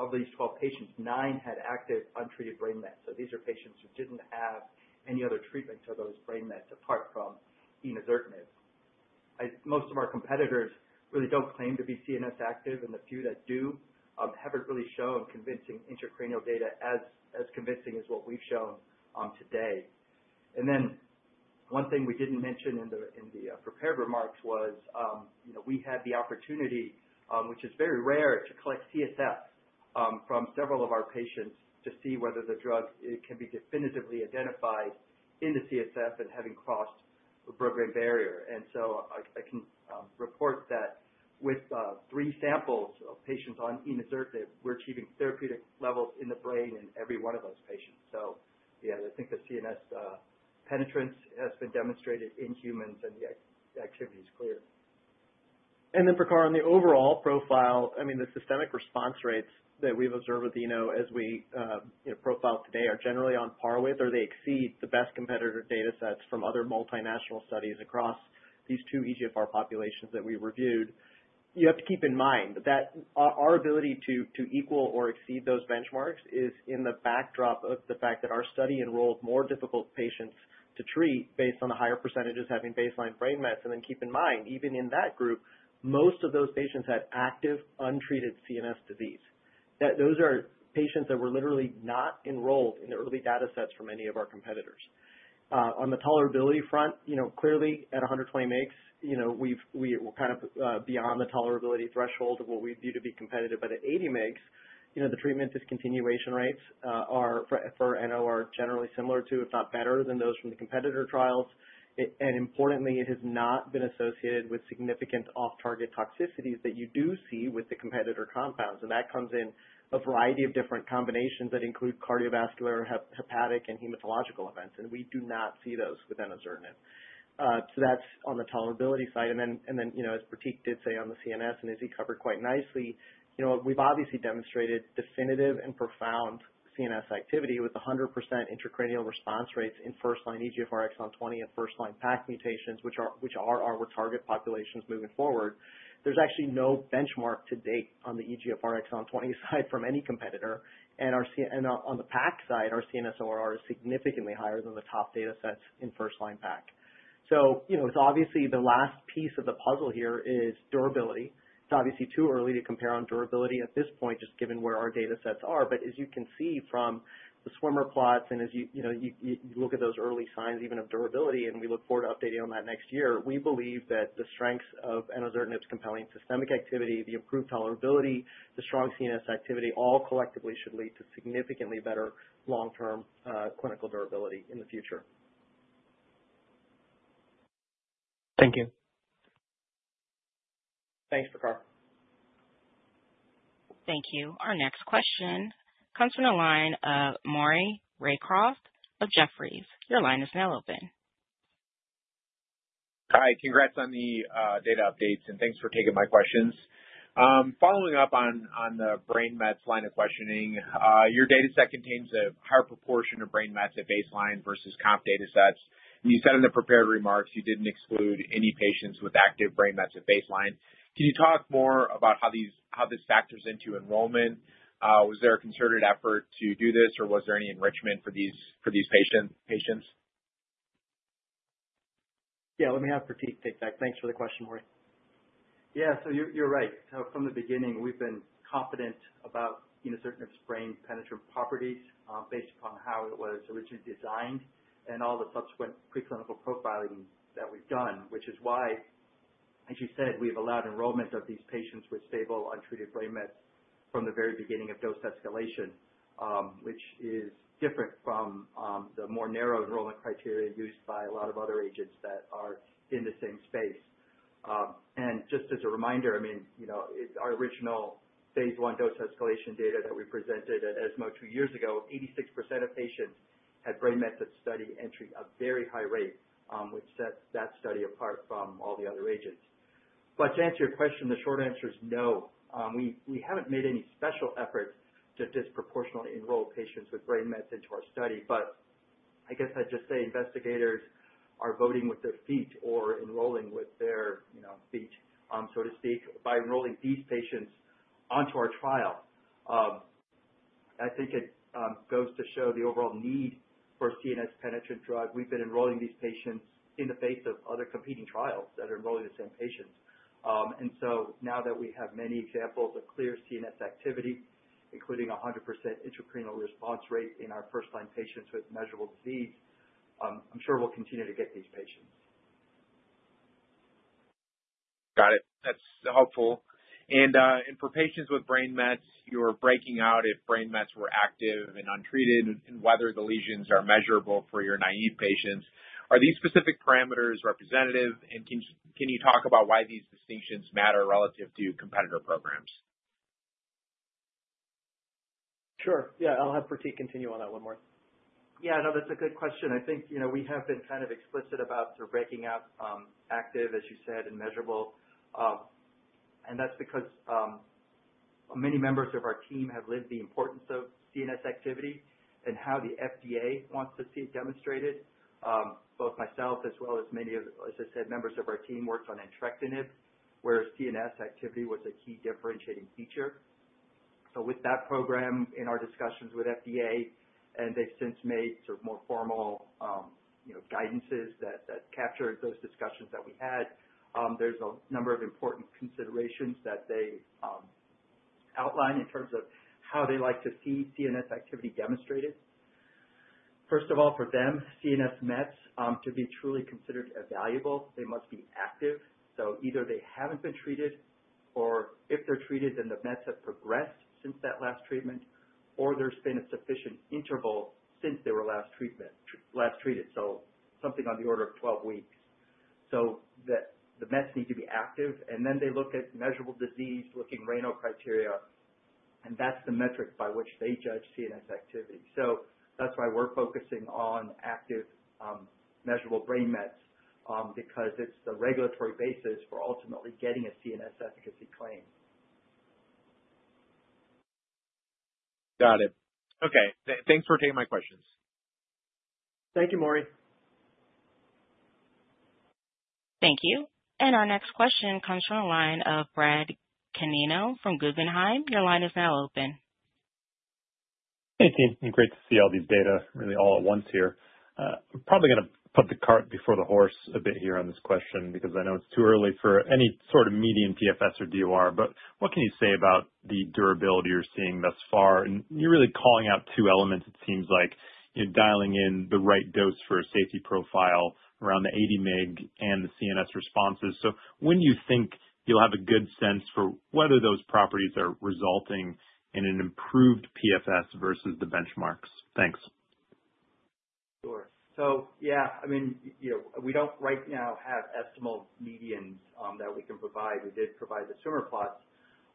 out of these 12 patients, nine had active untreated brain mets. So these are patients who didn't have any other treatment to those brain mets apart from ORIC-114. Most of our competitors really don't claim to be CNS active, and the few that do haven't really shown convincing intracranial data as convincing as what we've shown today. And then one thing we didn't mention in the prepared remarks was we had the opportunity, which is very rare, to collect CSF from several of our patients to see whether the drug can be definitively identified in the CSF and having crossed the blood-brain barrier. I can report that with three samples of patients on ORIC-114, we're achieving therapeutic levels in the brain in every one of those patients. Yeah, I think the CNS penetrance has been demonstrated in humans, and the activity is clear. Prakhar, on the overall profile, I mean, the systemic response rates that we've observed with ORIC-114 as we profiled today are generally on par with, or they exceed the best competitor datasets from other multinational studies across these two EGFR populations that we reviewed. You have to keep in mind that our ability to equal or exceed those benchmarks is in the backdrop of the fact that our study enrolled more difficult patients to treat based on the higher percentages having baseline brain mets. Keep in mind, even in that group, most of those patients had active untreated CNS disease. Those are patients that were literally not enrolled in the early datasets from any of our competitors. On the tolerability front, clearly at 120 mg, we were kind of beyond the tolerability threshold of what we view to be competitive. But at 80 mg, the treatment discontinuation rates for ORIC-114 are generally similar to, if not better, than those from the competitor trials. And importantly, it has not been associated with significant off-target toxicities that you do see with the competitor compounds. And that comes in a variety of different combinations that include cardiovascular, hepatic, and hematological events. And we do not see those with ORIC-114. So that's on the tolerability side. Then as Pratik did say on the CNS, and as he covered quite nicely, we've obviously demonstrated definitive and profound CNS activity with 100% intracranial response rates in first-line EGFR exon 20 and first-line PACC mutations, which are our target populations moving forward. There's actually no benchmark to date on the EGFR exon 20 side from any competitor. On the PACC side, our CNS ORR is significantly higher than the top datasets in first-line PACC. It's obviously the last piece of the puzzle here is durability. It's obviously too early to compare on durability at this point, just given where our datasets are. But as you can see from the swimmer plots and as you look at those early signs even of durability, and we look forward to updating on that next year, we believe that the strengths of ORIC-114's compelling systemic activity, the improved tolerability, the strong CNS activity, all collectively should lead to significantly better long-term clinical durability in the future. Thank you. Thanks, Prakhar. Thank you. Our next question comes from the line of Maury Raycroft of Jefferies. Your line is now open. Hi. Congrats on the data updates, and thanks for taking my questions. Following up on the brain mets line of questioning, your dataset contains a higher proportion of brain mets at baseline versus comp datasets. And you said in the prepared remarks you didn't exclude any patients with active brain mets at baseline. Can you talk more about how this factors into enrollment? Was there a concerted effort to do this, or was there any enrichment for these patients? Yeah, let me have Pratik take that. Thanks for the question, Maury. Yeah, so you're right. So from the beginning, we've been confident about ORIC-114's brain penetrance properties based upon how it was originally designed and all the subsequent preclinical profiling that we've done, which is why, as you said, we've allowed enrollment of these patients with stable untreated brain mets from the very beginning of dose escalation, which is different from the more narrow enrollment criteria used by a lot of other agents that are in the same space. Just as a reminder, I mean, our original Phase 1 dose escalation data that we presented at ESMO two years ago, 86% of patients had brain mets at study entry at a very high rate, which sets that study apart from all the other agents. But to answer your question, the short answer is no. We haven't made any special effort to disproportionately enroll patients with brain mets into our study. But I guess I'd just say investigators are voting with their feet or enrolling with their feet, so to speak, by enrolling these patients onto our trial. I think it goes to show the overall need for a CNS penetrant drug. We've been enrolling these patients in the face of other competing trials that are enrolling the same patients. So now that we have many examples of clear CNS activity, including a 100% intracranial response rate in our first-line patients with measurable disease, I'm sure we'll continue to get these patients. Got it. That's helpful. And for patients with brain mets, you were breaking out if brain mets were active and untreated and whether the lesions are measurable for your naive patients. Are these specific parameters representative? And can you talk about why these distinctions matter relative to competitor programs? Sure. Yeah, I'll have Pratik continue on that one more. Yeah, no, that's a good question. I think we have been kind of explicit about sort of breaking out active, as you said, and measurable. And that's because many members of our team have lived the importance of CNS activity and how the FDA wants to see it demonstrated. Both myself as well as many of, as I said, members of our team worked on entrectinib, whereas CNS activity was a key differentiating feature. So with that program in our discussions with FDA, and they've since made sort of more formal guidances that captured those discussions that we had, there's a number of important considerations that they outline in terms of how they like to see CNS activity demonstrated. First of all, for them, CNS mets to be truly considered evaluable, they must be active. So either they haven't been treated, or if they're treated, then the mets have progressed since that last treatment, or there's been a sufficient interval since they were last treated, so something on the order of 12 weeks. So the mets need to be active, and then they look at measurable disease looking RANO criteria, and that's the metric by which they judge CNS activity. So that's why we're focusing on active measurable brain mets because it's the regulatory basis for ultimately getting a CNS efficacy claim. Got it. Okay. Thanks for taking my questions. Thank you, Maury. Thank you. And our next question comes from the line of Brad Canino from Guggenheim. Your line is now open. Hey, team. Great to see all these data really all at once here. I'm probably going to put the cart before the horse a bit here on this question because I know it's too early for any sort of median PFS or DOR, but what can you say about the durability you're seeing thus far? You're really calling out two elements, it seems like, dialing in the right dose for a safety profile around the 80 mg and the CNS responses. So when do you think you'll have a good sense for whether those properties are resulting in an improved PFS versus the benchmarks? Thanks. Sure. Yeah, I mean, we don't right now have estimated medians that we can provide. We did provide the swimmer plots.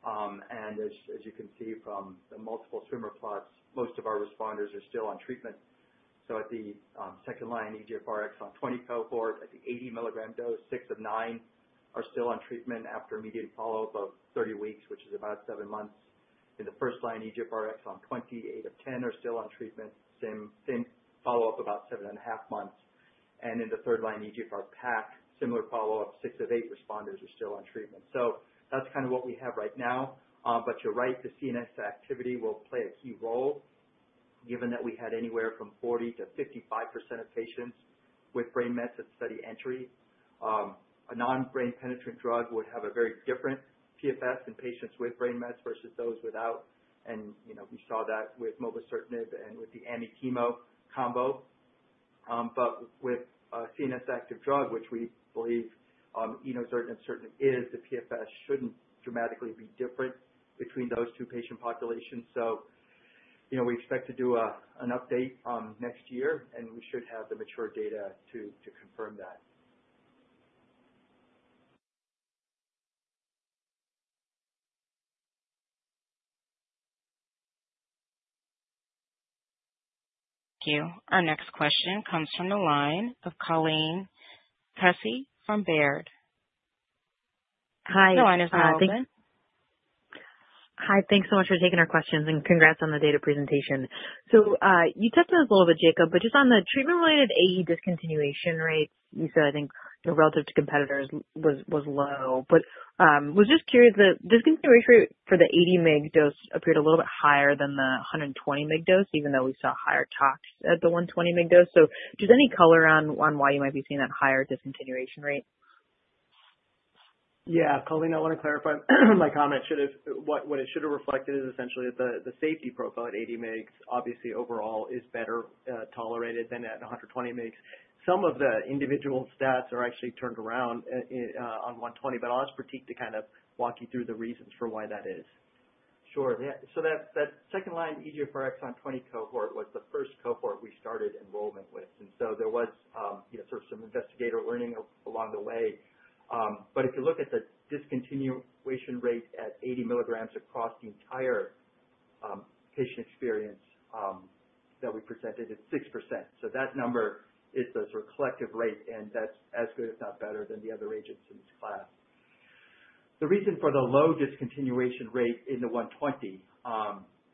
As you can see from the multiple swimmer plots, most of our responders are still on treatment. At the second line, EGFR exon 20 cohort, at the 80 mg dose, six of nine are still on treatment after median follow-up of 30 weeks, which is about seven months. In the first line, EGFR exon 20, eight of ten are still on treatment, same follow-up, about seven and a half months. And in the third line, EGFR PACC, similar follow-up, 6 of 8 responders are still on treatment. So that's kind of what we have right now. But you're right, the CNS activity will play a key role given that we had anywhere from 40%-55% of patients with brain mets at study entry. A non-brain penetrant drug would have a very different PFS in patients with brain mets versus those without. And we saw that with mobocertinib and with the amivantamab combo. But with a CNS-active drug, which we believe ORIC-114 certainly is, the PFS shouldn't dramatically be different between those two patient populations. So we expect to do an update next year, and we should have the mature data to confirm that. Thank you. Our next question comes from the line of Colleen Kusy from Baird. Hi. The line is now open. Hi. Thanks so much for taking our questions, and congrats on the data presentation. So you touched on this a little bit, Jacob, but just on the treatment-related AE discontinuation rates, you said, I think, relative to competitors was low. But I was just curious, the discontinuation rate for the 80 mg dose appeared a little bit higher than the 120 mg dose, even though we saw higher tox at the 120 mg dose. So does any color on why you might be seeing that higher discontinuation rate? Yeah. Colleen, I want to clarify my comment. What it should have reflected is essentially that the safety profile at 80 mgs, obviously, overall is better tolerated than at 120 mgs. Some of the individual stats are actually turned around on 120, but I'll ask Pratik to kind of walk you through the reasons for why that is. Sure. Yeah. So that second line, EGFR exon 20 cohort was the first cohort we started enrollment with. And so there was sort of some investigator learning along the way. But if you look at the discontinuation rate at 80 mg across the entire patient experience that we presented, it's 6%. So that number is the sort of collective rate, and that's as good, if not better, than the other agents in this class. The reason for the low discontinuation rate in the 120,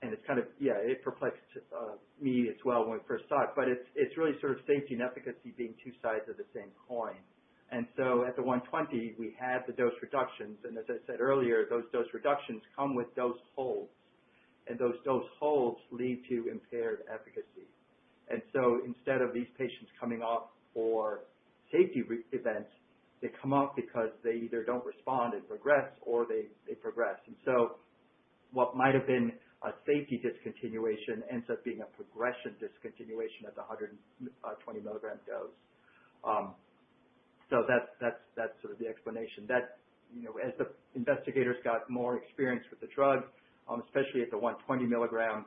and it's kind of, yeah, it perplexed me as well when we first saw it, but it's really sort of safety and efficacy being two sides of the same coin. And so at the 120, we had the dose reductions. And as I said earlier, those dose reductions come with dose holds, and those dose holds lead to impaired efficacy. And so instead of these patients coming off for safety events, they come off because they either don't respond and progress, or they progress. And so what might have been a safety discontinuation ends up being a progression discontinuation at the 120 mg dose. So that's sort of the explanation. As the investigators got more experience with the drug, especially at the 120 mg, as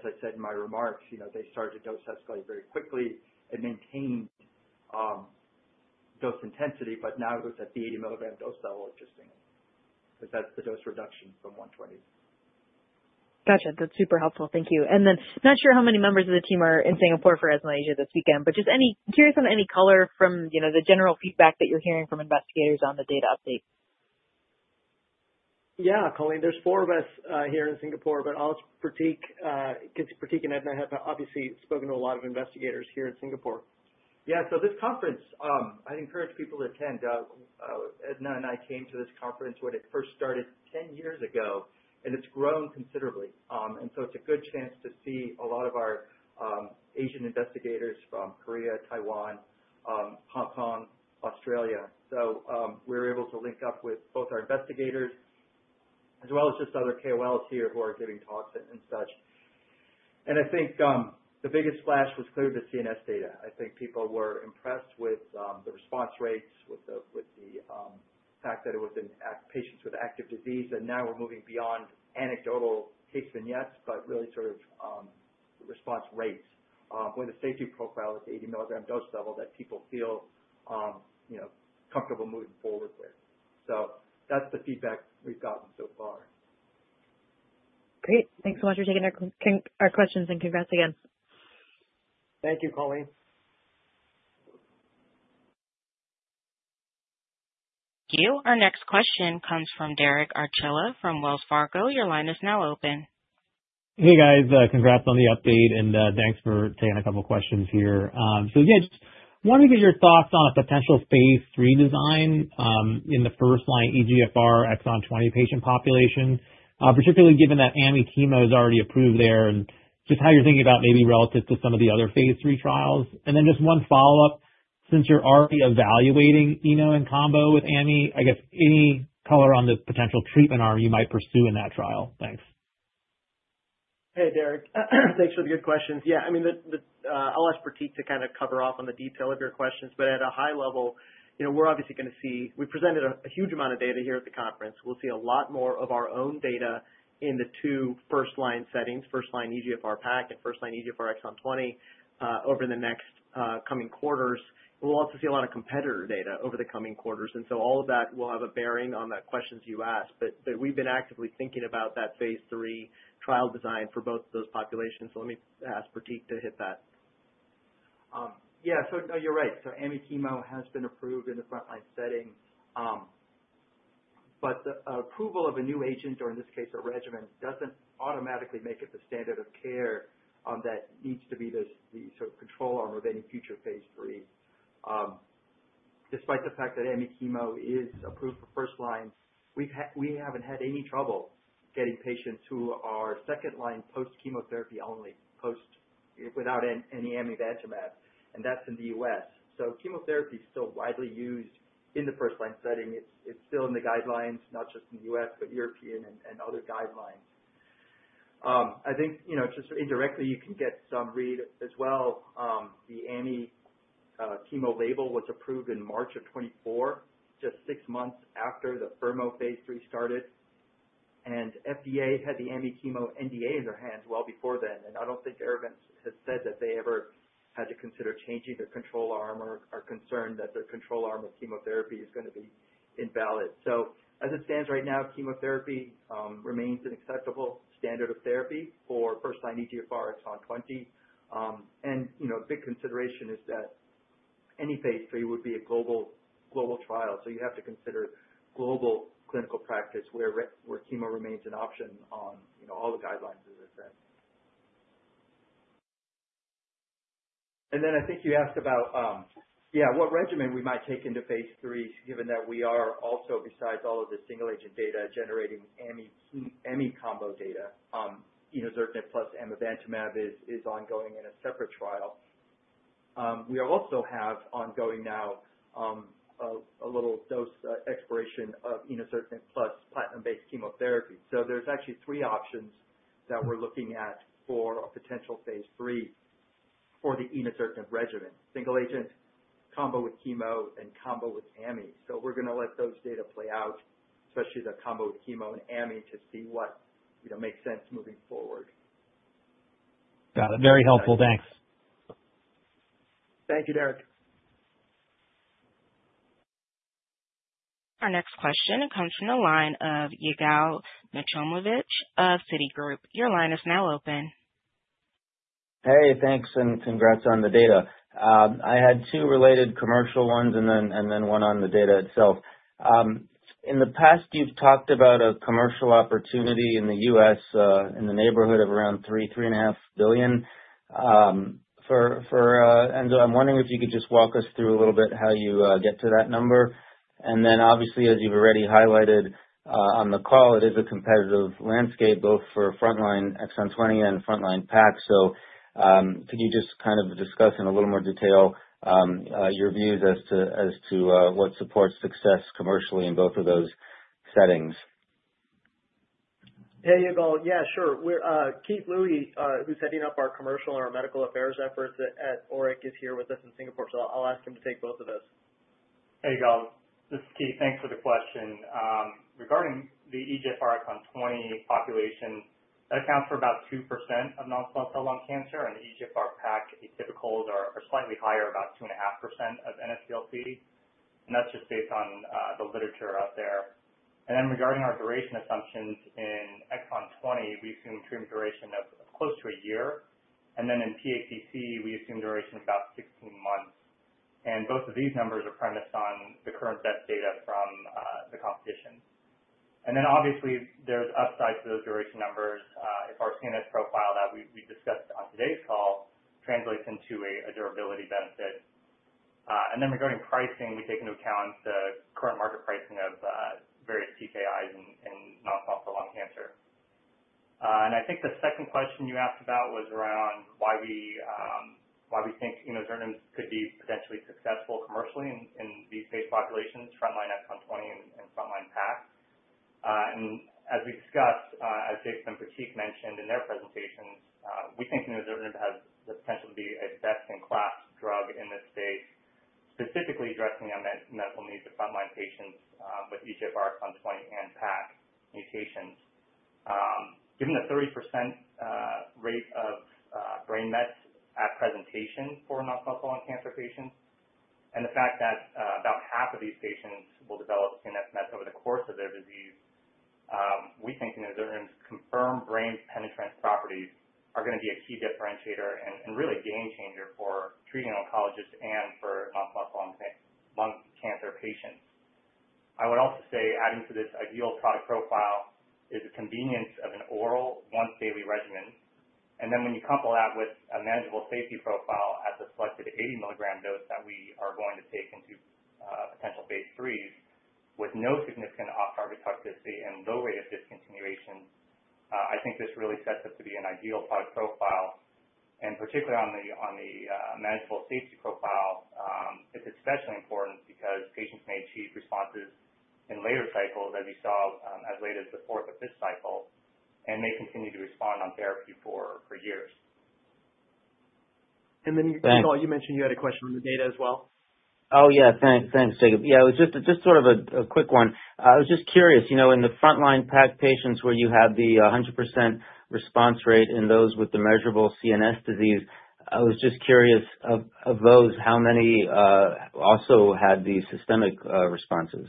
I said in my remarks, they started to dose escalate very quickly and maintained dose intensity, but now it was at the 80 mg dose level interestingly because that's the dose reduction from 120. Gotcha. That's super helpful. Thank you. And then not sure how many members of the team are in Singapore for ESMO Asia this weekend, but just curious on any color from the general feedback that you're hearing from investigators on the data update. Yeah, Colleen, there's four of us here in Singapore, but I'll ask Pratik. Pratik and Edna have obviously spoken to a lot of investigators here in Singapore. Yeah. So this conference, I'd encourage people to attend. Edna and I came to this conference when it first started 10 years ago, and it's grown considerably, and so it's a good chance to see a lot of our Asian investigators from Korea, Taiwan, Hong Kong, Australia. So we're able to link up with both our investigators as well as just other KOLs here who are giving talks and such, and I think the biggest flash was clearly the CNS data. I think people were impressed with the response rates, with the fact that it was in patients with active disease, and now we're moving beyond anecdotal case vignettes, but really sort of response rates where the safety profile at the 80 mg dose level that people feel comfortable moving forward with. So that's the feedback we've gotten so far. Great. Thanks so much for taking our questions, and congrats again. Thank you, Colleen. Thank you. Our next question comes from Derek Archila from Wells Fargo. Your line is now open. Hey, guys. Congrats on the update, and thanks for taking a couple of questions here. So yeah, just wanted to get your thoughts on a potential Phase 3 design in the first-line EGFR exon 20 patient population, particularly given that amivantamab is already approved there and just how you're thinking about maybe relative to some of the other Phase 3 trials, and then just one follow-up, since you're already evaluating ORIC-114 in combo with amivantamab, I guess any color on the potential treatment arm you might pursue in that trial. Thanks. Hey, Derek. Thanks for the good questions. Yeah. I mean, I'll ask Pratik to kind of cover off on the detail of your questions, but at a high level, we're obviously going to see, we presented a huge amount of data here at the conference. We'll see a lot more of our own data in the two first-line settings, first-line EGFR PACC and first-line EGFR exon 20, over the next coming quarters. We'll also see a lot of competitor data over the coming quarters. And so all of that will have a bearing on the questions you asked. But we've been actively thinking about that Phase 3 trial design for both of those populations. So let me ask Pratik to hit that. Yeah. So no, you're right. So amivantamab has been approved in the first-line setting. But the approval of a new agent, or in this case, a regimen, doesn't automatically make it the standard of care that needs to be the sort of control arm of any future Phase 3. Despite the fact that amivantamab is approved for first line, we haven't had any trouble getting patients who are second-line post-chemotherapy only, without any amivantamab, and that's in the U.S. So chemotherapy is still widely used in the first-line setting. It's still in the guidelines, not just in the U.S., but European and other guidelines. I think just indirectly, you can get some read as well. The amivantamab label was approved in March of 2024, just six months after the PAPILLON Phase 3 started. And FDA had the amivantamab NDA in their hands well before then. And I don't think Janssen has said that they ever had to consider changing their control arm or are concerned that their control arm of chemotherapy is going to be invalid. So as it stands right now, chemotherapy remains an acceptable standard of therapy for first-line EGFR exon 20. And a big consideration is that any Phase 3 would be a global trial. So you have to consider global clinical practice where chemo remains an option on all the guidelines, as I said. Then I think you asked about, yeah, what regimen we might take into Phase 3, given that we are also, besides all of the single-agent data, generating amivantamab combo data. ORIC-114 plus amivantamab is ongoing in a separate trial. We also have ongoing now a little dose expansion of ORIC-114 plus platinum-based chemotherapy. So there's actually three options that we're looking at for a potential Phase 3 for the ORIC-114 regimen: single-agent, combo with chemo, and combo with ami. So we're going to let those data play out, especially the combo with chemo and ami, to see what makes sense moving forward. Got it. Very helpful. Thanks. Thank you, Derek. Our next question comes from the line of Yigal Nochomovitz of Citi. Your line is now open. Hey, thanks, and congrats on the data. I had two related commercial ones and then one on the data itself. In the past, you've talked about a commercial opportunity in the US in the neighborhood of around $3 billion-$3.5 billion for NSCLC. I'm wondering if you could just walk us through a little bit how you get to that number. And then, obviously, as you've already highlighted on the call, it is a competitive landscape, both for front-line exon 20 and front-line PACC. So could you just kind of discuss in a little more detail your views as to what supports success commercially in both of those settings? Hey, Yigal. Yeah, sure. Keith Lui, who's heading up our commercial and our medical affairs efforts at ORIC, is here with us in Singapore. So I'll ask him to take both of those. Hey, Yigal. This is Keith. Thanks for the question. Regarding the EGFR exon 20 population, that accounts for about 2% of non-small cell lung cancer, and the EGFR PACC atypicals are slightly higher, about 2.5% of NSCLC. And that's just based on the literature out there. And then regarding our duration assumptions in exon 20, we assume treatment duration of close to a year. And then in PACC, we assume duration of about 16 months. And both of these numbers are premised on the current best data from the competition. And then, obviously, there's upside to those duration numbers if our CNS profile that we discussed on today's call translates into a durability benefit. And then regarding pricing, we take into account the current market pricing of various TKIs in non-small cell lung cancer. I think the second question you asked about was around why we think ORIC-114 could be potentially successful commercially in these patient populations, front-line exon 20 and front-line PACC. As we discussed, as Jacob and Pratik mentioned in their presentations, we think ORIC-114 has the potential to be a best-in-class drug in this space, specifically addressing the medical needs of front-line patients with EGFR exon 20 and PACC mutations. Given the 30% rate of brain mets at presentation for non-small cell lung cancer patients and the fact that about half of these patients will develop CNS mets over the course of their disease, we think ORIC-114's confirmed brain penetration properties are going to be a key differentiator and really a game changer for treating oncologists and for non-small cell lung cancer patients. I would also say, adding to this ideal product profile, is the convenience of an oral once-daily regimen. And then when you couple that with a manageable safety profile at the selected 80 mg dose that we are going to take into potential Phase 3 with no significant off-target toxicity and low rate of discontinuation, I think this really sets up to be an ideal product profile. And particularly on the manageable safety profile, it's especially important because patients may achieve responses in later cycles, as you saw as late as the fourth cycle, and may continue to respond on therapy for years. And then, Yigal, you mentioned you had a question on the data as well. Oh, yeah. Thanks, Jacob. Yeah. It was just sort of a quick one. I was just curious. In the front-line PACC patients where you had the 100% response rate in those with the measurable CNS disease, I was just curious, of those, how many also had the systemic responses?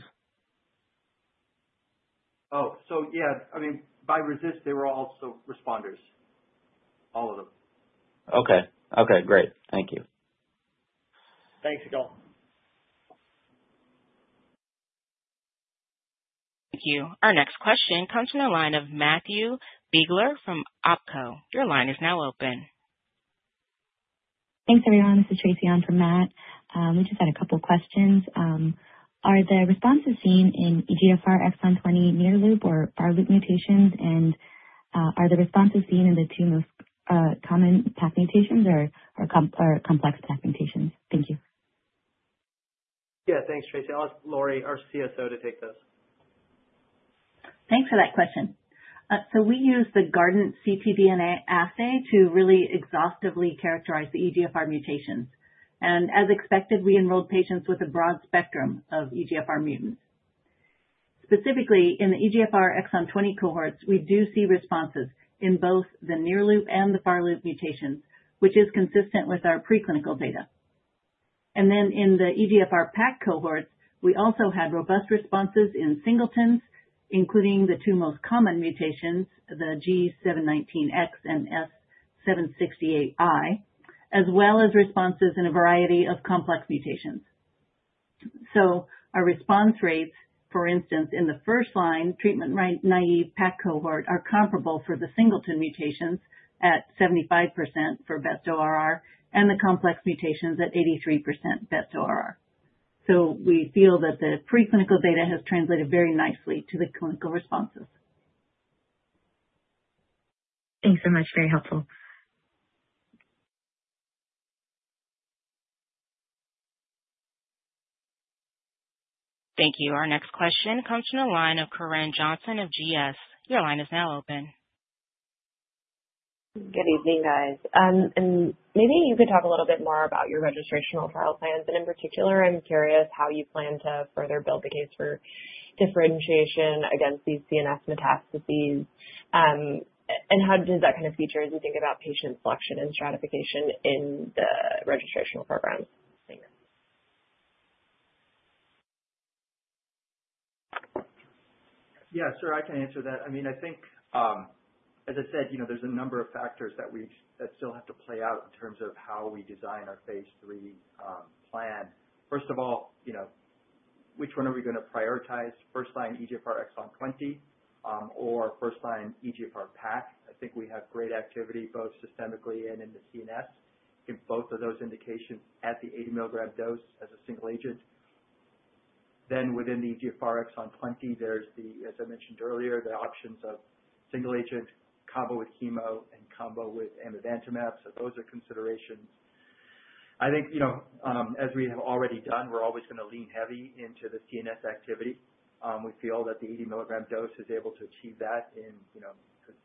Oh. So yeah. I mean, by RECIST, they were also responders, all of them. Okay. Okay. Great. Thank you. Thanks, Yigal. Thank you. Our next question comes from the line of Matthew Biegler from Oppenheimer & Co. Your line is now open. Thanks, everyone. This is Tracey on for Matt. We just had a couple of questions. Are the responses seen in EGFR exon 20 near loop or far loop mutations, and are the responses seen in the two most common PACC mutations or complex PACC mutations? Thank you. Yeah. Thanks, Tracey. I'll ask Lori, our CSO, to take those. Thanks for that question. So we use the Guardant360 ctDNA assay to really exhaustively characterize the EGFR mutations. As expected, we enrolled patients with a broad spectrum of EGFR mutants. Specifically, in the EGFR exon 20 cohorts, we do see responses in both the near loop and the far loop mutations, which is consistent with our preclinical data. Then in the EGFR PACC cohorts, we also had robust responses in singletons, including the two most common mutations, the G719X and S768I, as well as responses in a variety of complex mutations. Our response rates, for instance, in the first-line treatment naive PACC cohort, are comparable for the singleton mutations at 75% for best ORR and the complex mutations at 83% best ORR. We feel that the preclinical data has translated very nicely to the clinical responses. Thanks so much. Very helpful. Thank you. Our next question comes from the line of Corinne Jenkins of GS. Your line is now open. Good evening, guys. And maybe you could talk a little bit more about your registrational trial plans. And in particular, I'm curious how you plan to further build the case for differentiation against these CNS metastases. And how does that kind of feature as you think about patient selection and stratification in the registrational program? Yeah. Sure. I can answer that. I mean, I think, as I said, there's a number of factors that still have to play out in terms of how we design our Phase 3 plan. First of all, which one are we going to prioritize? First-line EGFR exon 20 or first-line EGFR PACC? I think we have great activity both systemically and in the CNS in both of those indications at the 80 mg dose as a single agent. Then, within the EGFR exon 20, there's the, as I mentioned earlier, the options of single agent, combo with chemo, and combo with amivantamab. So those are considerations. I think, as we have already done, we're always going to lean heavy into the CNS activity. We feel that the 80 mg dose is able to achieve that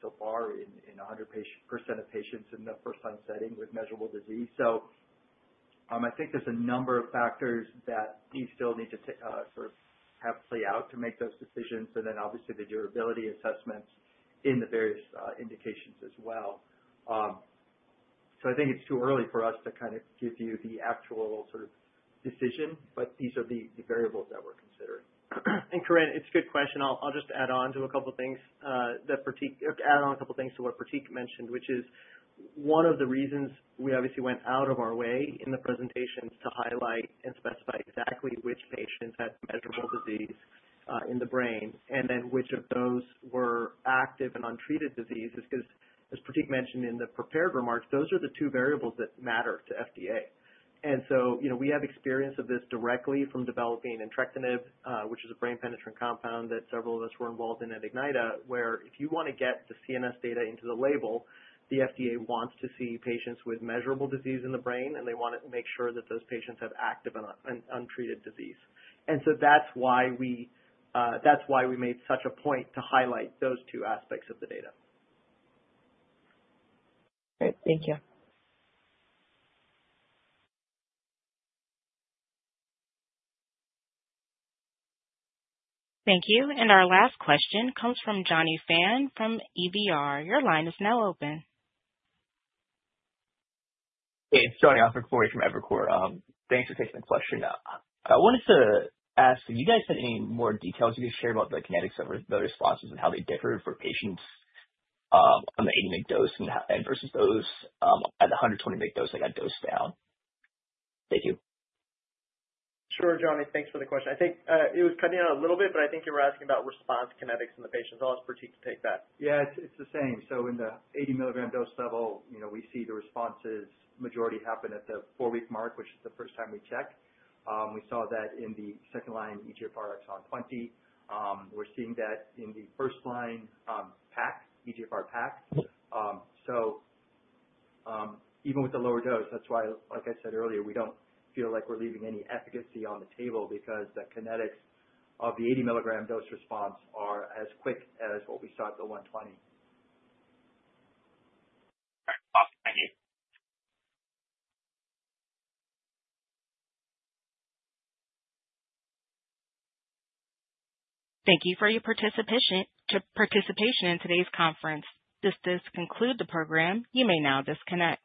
so far in 100% of patients in the first-line setting with measurable disease. So I think there's a number of factors that we still need to sort of have play out to make those decisions. And then, obviously, the durability assessments in the various indications as well. So I think it's too early for us to kind of give you the actual sort of decision, but these are the variables that we're considering. And Corinne, it's a good question. I'll just add on to a couple of things to what Pratik mentioned, which is one of the reasons we obviously went out of our way in the presentations to highlight and specify exactly which patients had measurable disease in the brain and then which of those were active and untreated diseases. Because, as Pratik mentioned in the prepared remarks, those are the two variables that matter to FDA. And so we have experience of this directly from developing entrectinib, which is a brain-penetrating compound that several of us were involved in at Ignyta, where if you want to get the CNS data into the label, the FDA wants to see patients with measurable disease in the brain, and they want to make sure that those patients have active and untreated disease. So that's why we made such a point to highlight those two aspects of the data. Great. Thank you. Thank you. And our last question comes from Jonathan Miller from Evercore ISI. Your line is now open. Hi, this is Jonathan from Evercore. Thanks for taking the question. I wanted to ask, do you guys have any more details you could share about the kinetics of the responses and how they differ for patients on the 80-mg dose versus those at the 120-mg dose that got dosed down? Thank you. Sure, Jonathan. Thanks for the question. I think it was cutting out a little bit, but I think you were asking about response kinetics in the patients. I'll ask Pratik to take that. Yeah. It's the same. So in the 80 mg dose level, we see the responses' majority happen at the four-week mark, which is the first time we check. We saw that in the second-line EGFR exon 20. We're seeing that in the first-line PACC, EGFR PACC. So even with the lower dose, that's why, like I said earlier, we don't feel like we're leaving any efficacy on the table because the kinetics of the 80 mg dose response are as quick as what we saw at the 120. All right. Awesome. Thank you. Thank you for your participation in today's conference. This does conclude the program. You may now disconnect.